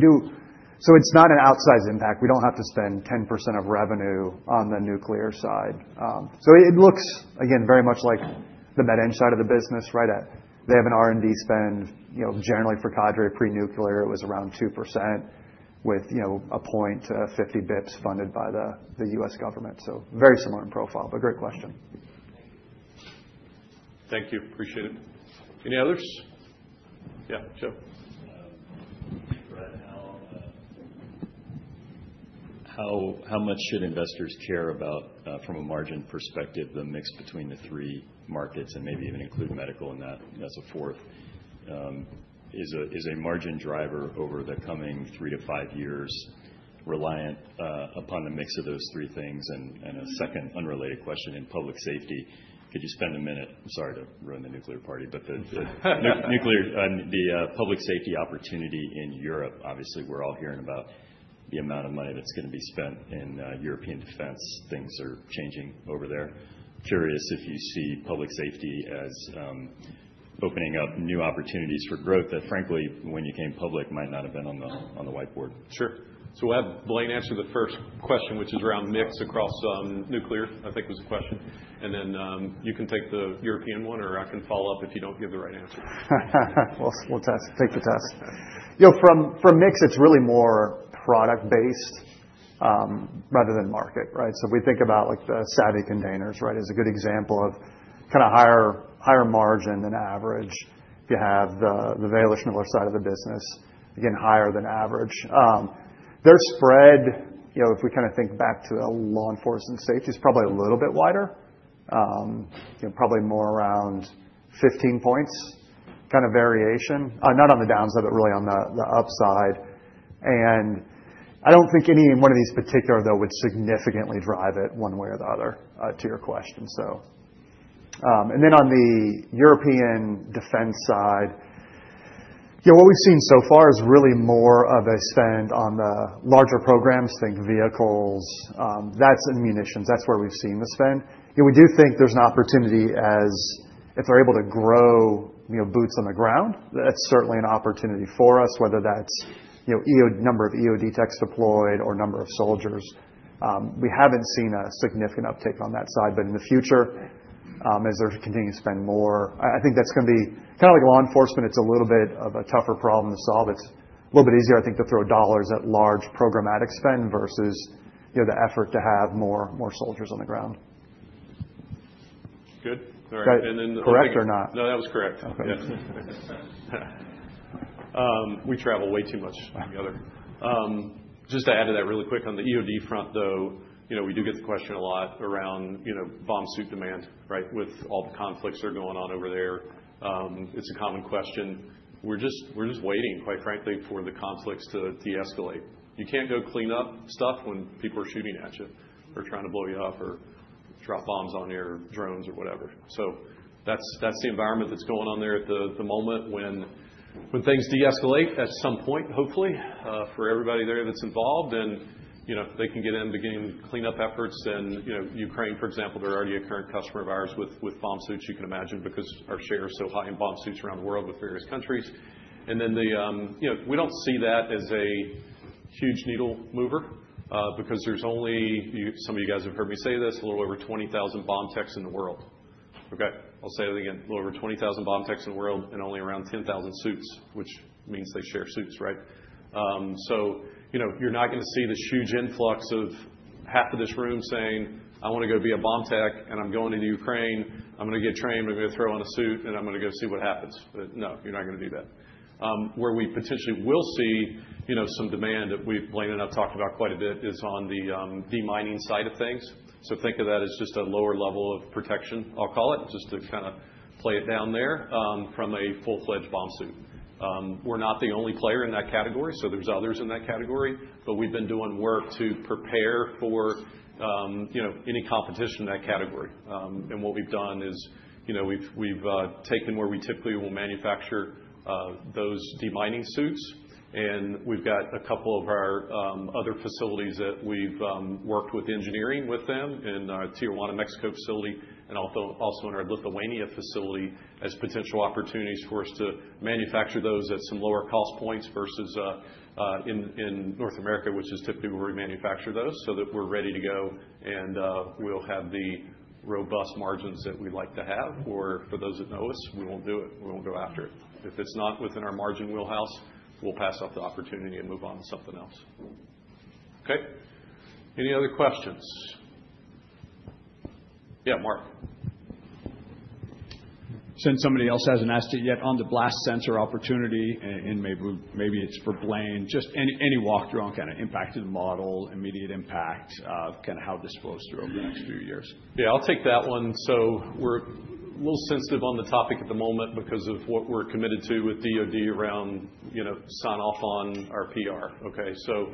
so it's not an outsized impact. We don't have to spend 10% of revenue on the Nuclear side. So it looks, again, very much like the Med-Eng side of the business, right? They have an R&D spend. Generally, for Cadre, pre-nuclear, it was around 2% with a point to 50 basis points funded by the U.S. government. So very similar in profile, but great question. Thank you. Appreciate it. Any others? Yeah. Joe? Brad, how much should investors care about, from a margin perspective, the mix between the three markets and maybe even include medical in that as a fourth? Is a margin driver over the coming three years-five years reliant upon the mix of those three things? And a second unrelated question in public safety. Could you spend a minute? I'm sorry to ruin the Nuclear party. But the public safety opportunity in Europe, obviously, we're all hearing about the amount of money that's going to be spent in European defense. Things are changing over there. Curious if you see public safety as opening up new opportunities for growth that, frankly, when you came public, might not have been on the whiteboard. Sure. So we'll have Blaine answer the first question, which is around mix across nuclear, I think was the question. And then you can take the European one, or I can follow up if you don't give the right answer. We'll take the test. From mix, it's really more product-based rather than market, right? So if we think about the SAVY containers, right, as a good example of kind of higher margin than average, if you have the Wälischmiller side of the business, again, higher than average. Their spread, if we kind of think back to law enforcement safety, is probably a little bit wider, probably more around 15 points kind of variation, not on the downside, but really on the upside. And I don't think any one of these particular, though, would significantly drive it one way or the other to your question, so. And then on the European defense side, what we've seen so far is really more of a spend on the larger programs, think vehicles, that's in munitions. That's where we've seen the spend. We do think there's an opportunity, as if they're able to grow boots on the ground, that's certainly an opportunity for us, whether that's number of EOD techs deployed or number of soldiers. We haven't seen a significant uptake on that side, but in the future, as there's continuing to spend more, I think that's going to be kind of like law enforcement. It's a little bit of a tougher problem to solve. It's a little bit easier, I think, to throw dollars at large programmatic spend versus the effort to have more soldiers on the ground. Good. All right. And then. Correct or not? No, that was correct. We travel way too much together. Just to add to that really quick, on the EOD front, though, we do get the question a lot around bomb suit demand, right, with all the conflicts that are going on over there. It's a common question. We're just waiting, quite frankly, for the conflicts to de-escalate. You can't go clean up stuff when people are shooting at you or trying to blow you up or drop bombs on your drones or whatever. So that's the environment that's going on there at the moment when things de-escalate at some point, hopefully, for everybody there that's involved. And if they can get in beginning cleanup efforts. And Ukraine, for example, they're already a current customer of ours with bomb suits, you can imagine, because our share is so high in bomb suits around the world with various countries. And then we don't see that as a huge needle mover because there's only some of you guys have heard me say this, a little over 20,000 bomb techs in the world. OK? I'll say that again. A little over 20,000 bomb techs in the world and only around 10,000 suits, which means they share suits, right? So you're not going to see this huge influx of half of this room saying, "I want to go be a bomb tech, and I'm going to the Ukraine. I'm going to get trained. I'm going to throw on a suit, and I'm going to go see what happens." But no, you're not going to do that. Where we potentially will see some demand that Blaine and I have talked about quite a bit is on the demining side of things. So think of that as just a lower level of protection, I'll call it, just to kind of play it down there from a full-fledged bomb suit. We're not the only player in that category. So there's others in that category. But we've been doing work to prepare for any competition in that category. And what we've done is we've taken where we typically will manufacture those demining suits. And we've got a couple of our other facilities that we've worked with engineering with them in our Tijuana, Mexico facility and also in our Lithuania facility as potential opportunities for us to manufacture those at some lower cost points versus in North America, which is typically where we manufacture those so that we're ready to go and we'll have the robust margins that we like to have. Or for those that know us, we won't do it. We won't go after it. If it's not within our margin wheelhouse, we'll pass up the opportunity and move on to something else. OK? Any other questions? Yeah, Mark. Since somebody else hasn't asked it yet on the blast sensor opportunity, and maybe it's for Blaine, just any walkthrough on kind of impacted model, immediate impact of kind of how this flows through over the next few years? Yeah, I'll take that one. So we're a little sensitive on the topic at the moment because of what we're committed to with DoD around sign-off on our PR, OK? So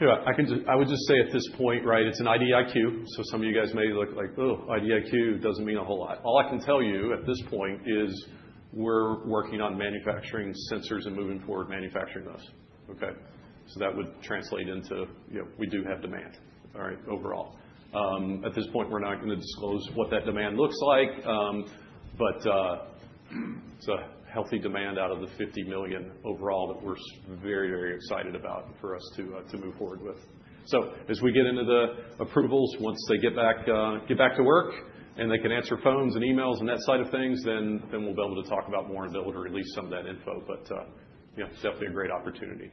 I would just say at this point, right, it's an IDIQ. So some of you guys may look like, "Oh, IDIQ doesn't mean a whole lot." All I can tell you at this point is we're working on manufacturing sensors and moving forward manufacturing those, OK? So that would translate into we do have demand, all right, overall. At this point, we're not going to disclose what that demand looks like. But it's a healthy demand out of the $50 million overall that we're very, very excited about for us to move forward with. So as we get into the approvals, once they get back to work and they can answer phones and emails and that side of things, then we'll be able to talk about more and be able to release some of that info. But it's definitely a great opportunity.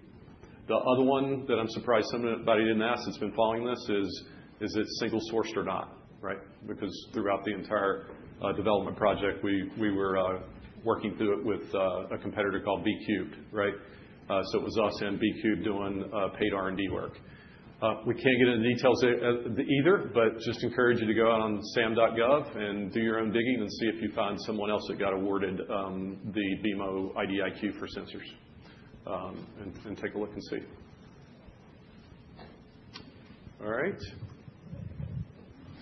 The other one that I'm surprised somebody didn't ask that's been following this is, is it single-sourced or not, right? Because throughout the entire development project, we were working through it with a competitor called BCubed, right? So it was us and BCubed doing paid R&D work. We can't get into details either, but just encourage you to go out on sam.gov and do your own digging and see if you find someone else that got awarded the BEMO IDIQ for sensors and take a look and see. All right.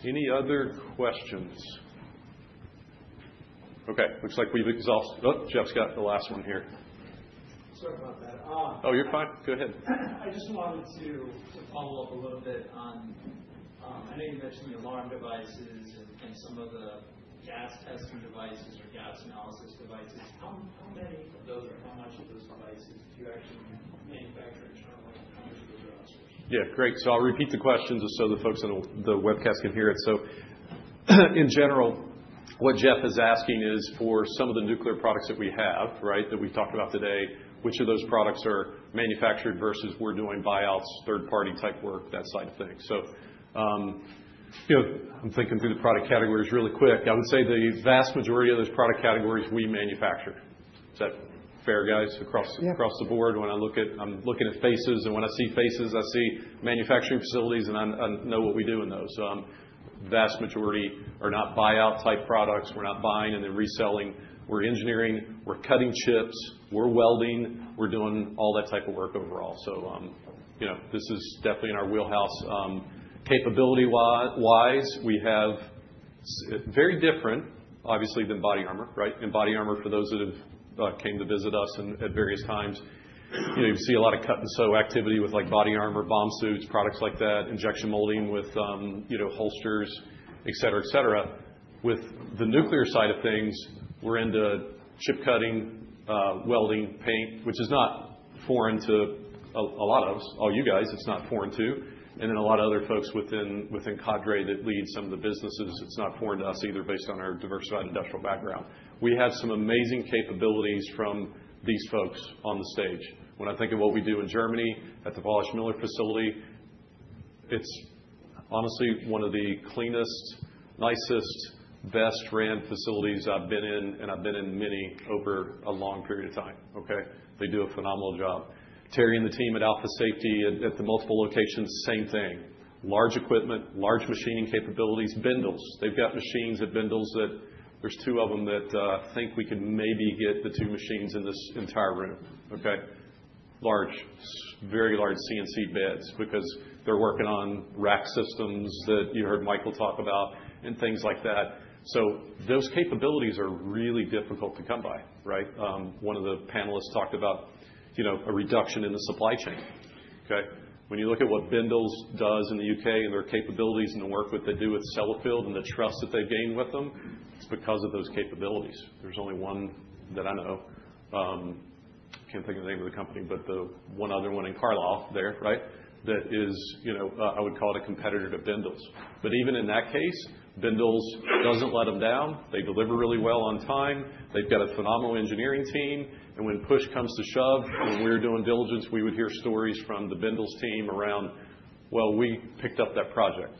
Any other questions? OK, looks like we've exhausted. Oh, Jeff's got the last one here. Sorry about that. Oh, you're fine. Go ahead. I just wanted to follow up a little bit on, I know you mentioned the alarm devices and some of the gas testing devices or gas analysis devices. How many of those or how much of those devices do you actually manufacture internally? How much of those are outsourced? Yeah, great. So I'll repeat the questions so the folks on the webcast can hear it. So in general, what Jeff is asking is for some of the nuclear products that we have, right, that we've talked about today, which of those products are manufactured versus we're doing buyouts, third-party type work, that side of things. So I'm thinking through the product categories really quick. I would say the vast majority of those product categories we manufacture. Is that fair, guys? Across the board, when I look at faces and when I see faces, I see manufacturing facilities and I know what we do in those. Vast majority are not buyout-type products. We're not buying and then reselling. We're engineering. We're cutting chips. We're welding. We're doing all that type of work overall. So this is definitely in our wheelhouse. Capability-wise, we have very different, obviously, body armor, right? Body armor, for those that have come to visit us at various times, you see a lot of cut-and-sew activity body armor, bomb suits, products like that, injection molding with holsters, et cetera, et cetera. With the nuclear side of things, we're into chip cutting, welding, paint, which is not foreign to a lot of us, all you guys. It's not foreign too. And then a lot of other folks within Cadre that lead some of the businesses. It's not foreign to us either based on our diversified industrial background. We have some amazing capabilities from these folks on the stage. When I think of what we do in Germany at the Wälischmiller facility, it's honestly one of the cleanest, nicest, best-run facilities I've been in, and I've been in many over a long period of time, OK? They do a phenomenal job. Terry and the team at Alpha Safety at the multiple locations, same thing. Large equipment, large machining capabilities, Bendalls. They've got machines at Bendalls that there's two of them that think we could maybe get the two machines in this entire room, OK? Large, very large CNC beds because they're working on rack systems that you heard Michael talk about and things like that. So those capabilities are really difficult to come by, right? One of the panelists talked about a reduction in the supply chain, OK? When you look at what Bendalls does in the U.K. and their capabilities and the work that they do with Sellafield and the trust that they've gained with them, it's because of those capabilities. There's only one that I know. I can't think of the name of the company, but the one other one in Carlisle there, right, that is I would call it a competitor to Bendalls. But even in that case, Bendalls doesn't let them down. They deliver really well on time. They've got a phenomenal engineering team. And when push comes to shove, when we were doing diligence, we would hear stories from the Bendalls team around, "Well, we picked up that project."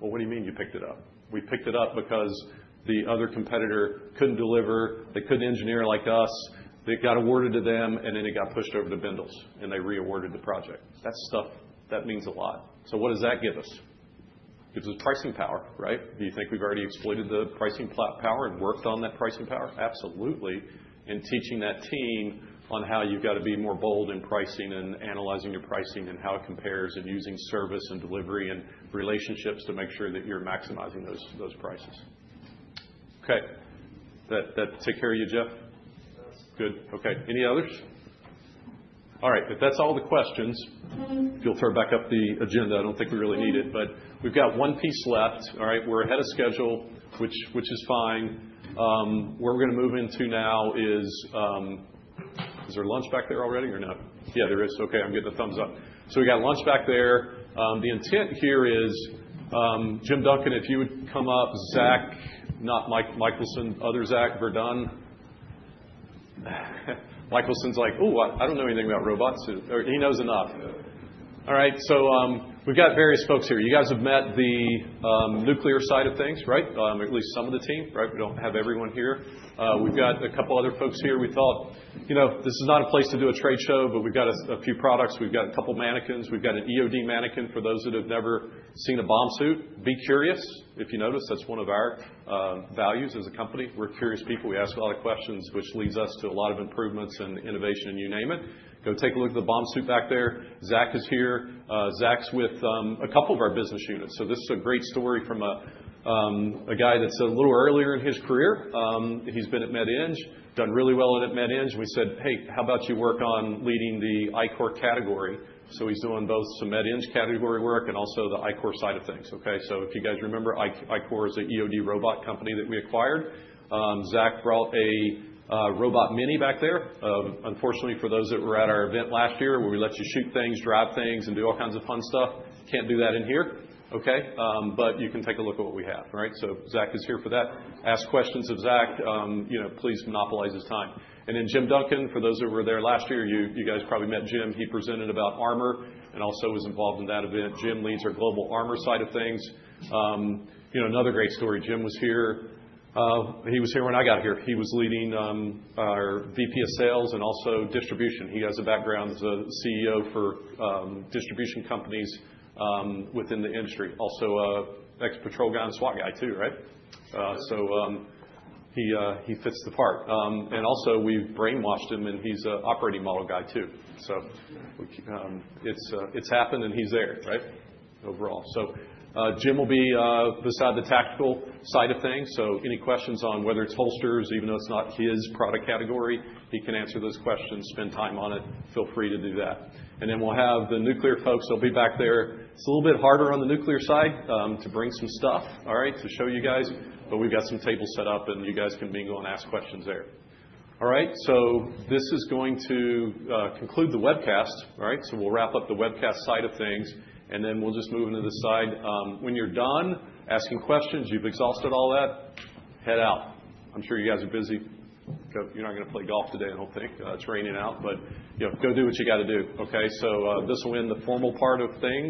Well, what do you mean you picked it up? We picked it up because the other competitor couldn't deliver. They couldn't engineer like us. It got awarded to them, and then it got pushed over to Bendalls, and they reawarded the project. That's stuff that means a lot. So what does that give us? It gives us pricing power, right? Do you think we've already exploited the pricing power and worked on that pricing power? Absolutely. And teaching that team on how you've got to be more bold in pricing and analyzing your pricing and how it compares and using service and delivery and relationships to make sure that you're maximizing those prices. OK? Did that take care of you, Jeff? Yes. Good. OK, any others? All right. If that's all the questions, if you'll throw back up the agenda. I don't think we really need it. But we've got one piece left, all right? We're ahead of schedule, which is fine. Where we're going to move into now is there lunch back there already or no? Yeah, there is. OK, I'm getting a thumbs up. So we got lunch back there. The intent here is Jim Duncan, if you would come up, Zach, not Michelson, other Zach, Verdun. Michelson's like, "Ooh, I don't know anything about robots." He knows enough. All right. So we've got various folks here. You guys have met the Nuclear side of things, right? At least some of the team, right? We don't have everyone here. We've got a couple other folks here. We thought this is not a place to do a trade show, but we've got a few products. We've got a couple mannequins. We've got an EOD mannequin for those that have never seen a bomb suit. Be curious. If you notice, that's one of our values as a company. We're curious people. We ask a lot of questions, which leads us to a lot of improvements and innovation and you name it. Go take a look at the bomb suit back there. Zach is here. Zach's with a couple of our business units, so this is a great story from a guy that's a little earlier in his career. He's been at Med-Eng, done really well at Med-Eng, and we said, "Hey, how about you work on leading the ICOR category?", so he's doing both some Med-Eng category work and also the ICOR side of things, OK? So if you guys remember, ICOR is an EOD robot company that we acquired. Zach brought a robot mini back there. Unfortunately, for those that were at our event last year where we let you shoot things, drive things, and do all kinds of fun stuff, can't do that in here, OK? But you can take a look at what we have, all right? So Zach is here for that. Ask questions of Zach. Please monopolize his time. And then Jim Duncan, for those who were there last year, you guys probably met Jim. He presented about armor and also was involved in that event. Jim leads our Global Armor side of things. Another great story, Jim was here. He was here when I got here. He was leading our VP of Sales and also Distribution. He has a background as a CEO for distribution companies within the industry. Also ex-patrol gun SWAT guy too, right? So he fits the part. And also we've brainwashed him, and he's an operating model guy too. So it's happened, and he's there, right, overall. So Jim will be beside the tactical side of things. So any questions on whether it's holsters, even though it's not his product category, he can answer those questions, spend time on it. Feel free to do that. And then we'll have the nuclear folks. They'll be back there. It's a little bit harder on the nuclear side to bring some stuff, all right, to show you guys. But we've got some tables set up, and you guys can be going to ask questions there. All right. So this is going to conclude the webcast, all right? So we'll wrap up the webcast side of things, and then we'll just move into the side. When you're done asking questions, you've exhausted all that, head out. I'm sure you guys are busy. You're not going to play golf today, I don't think. It's raining out, but go do what you got to do, OK, so this will end the formal part of things.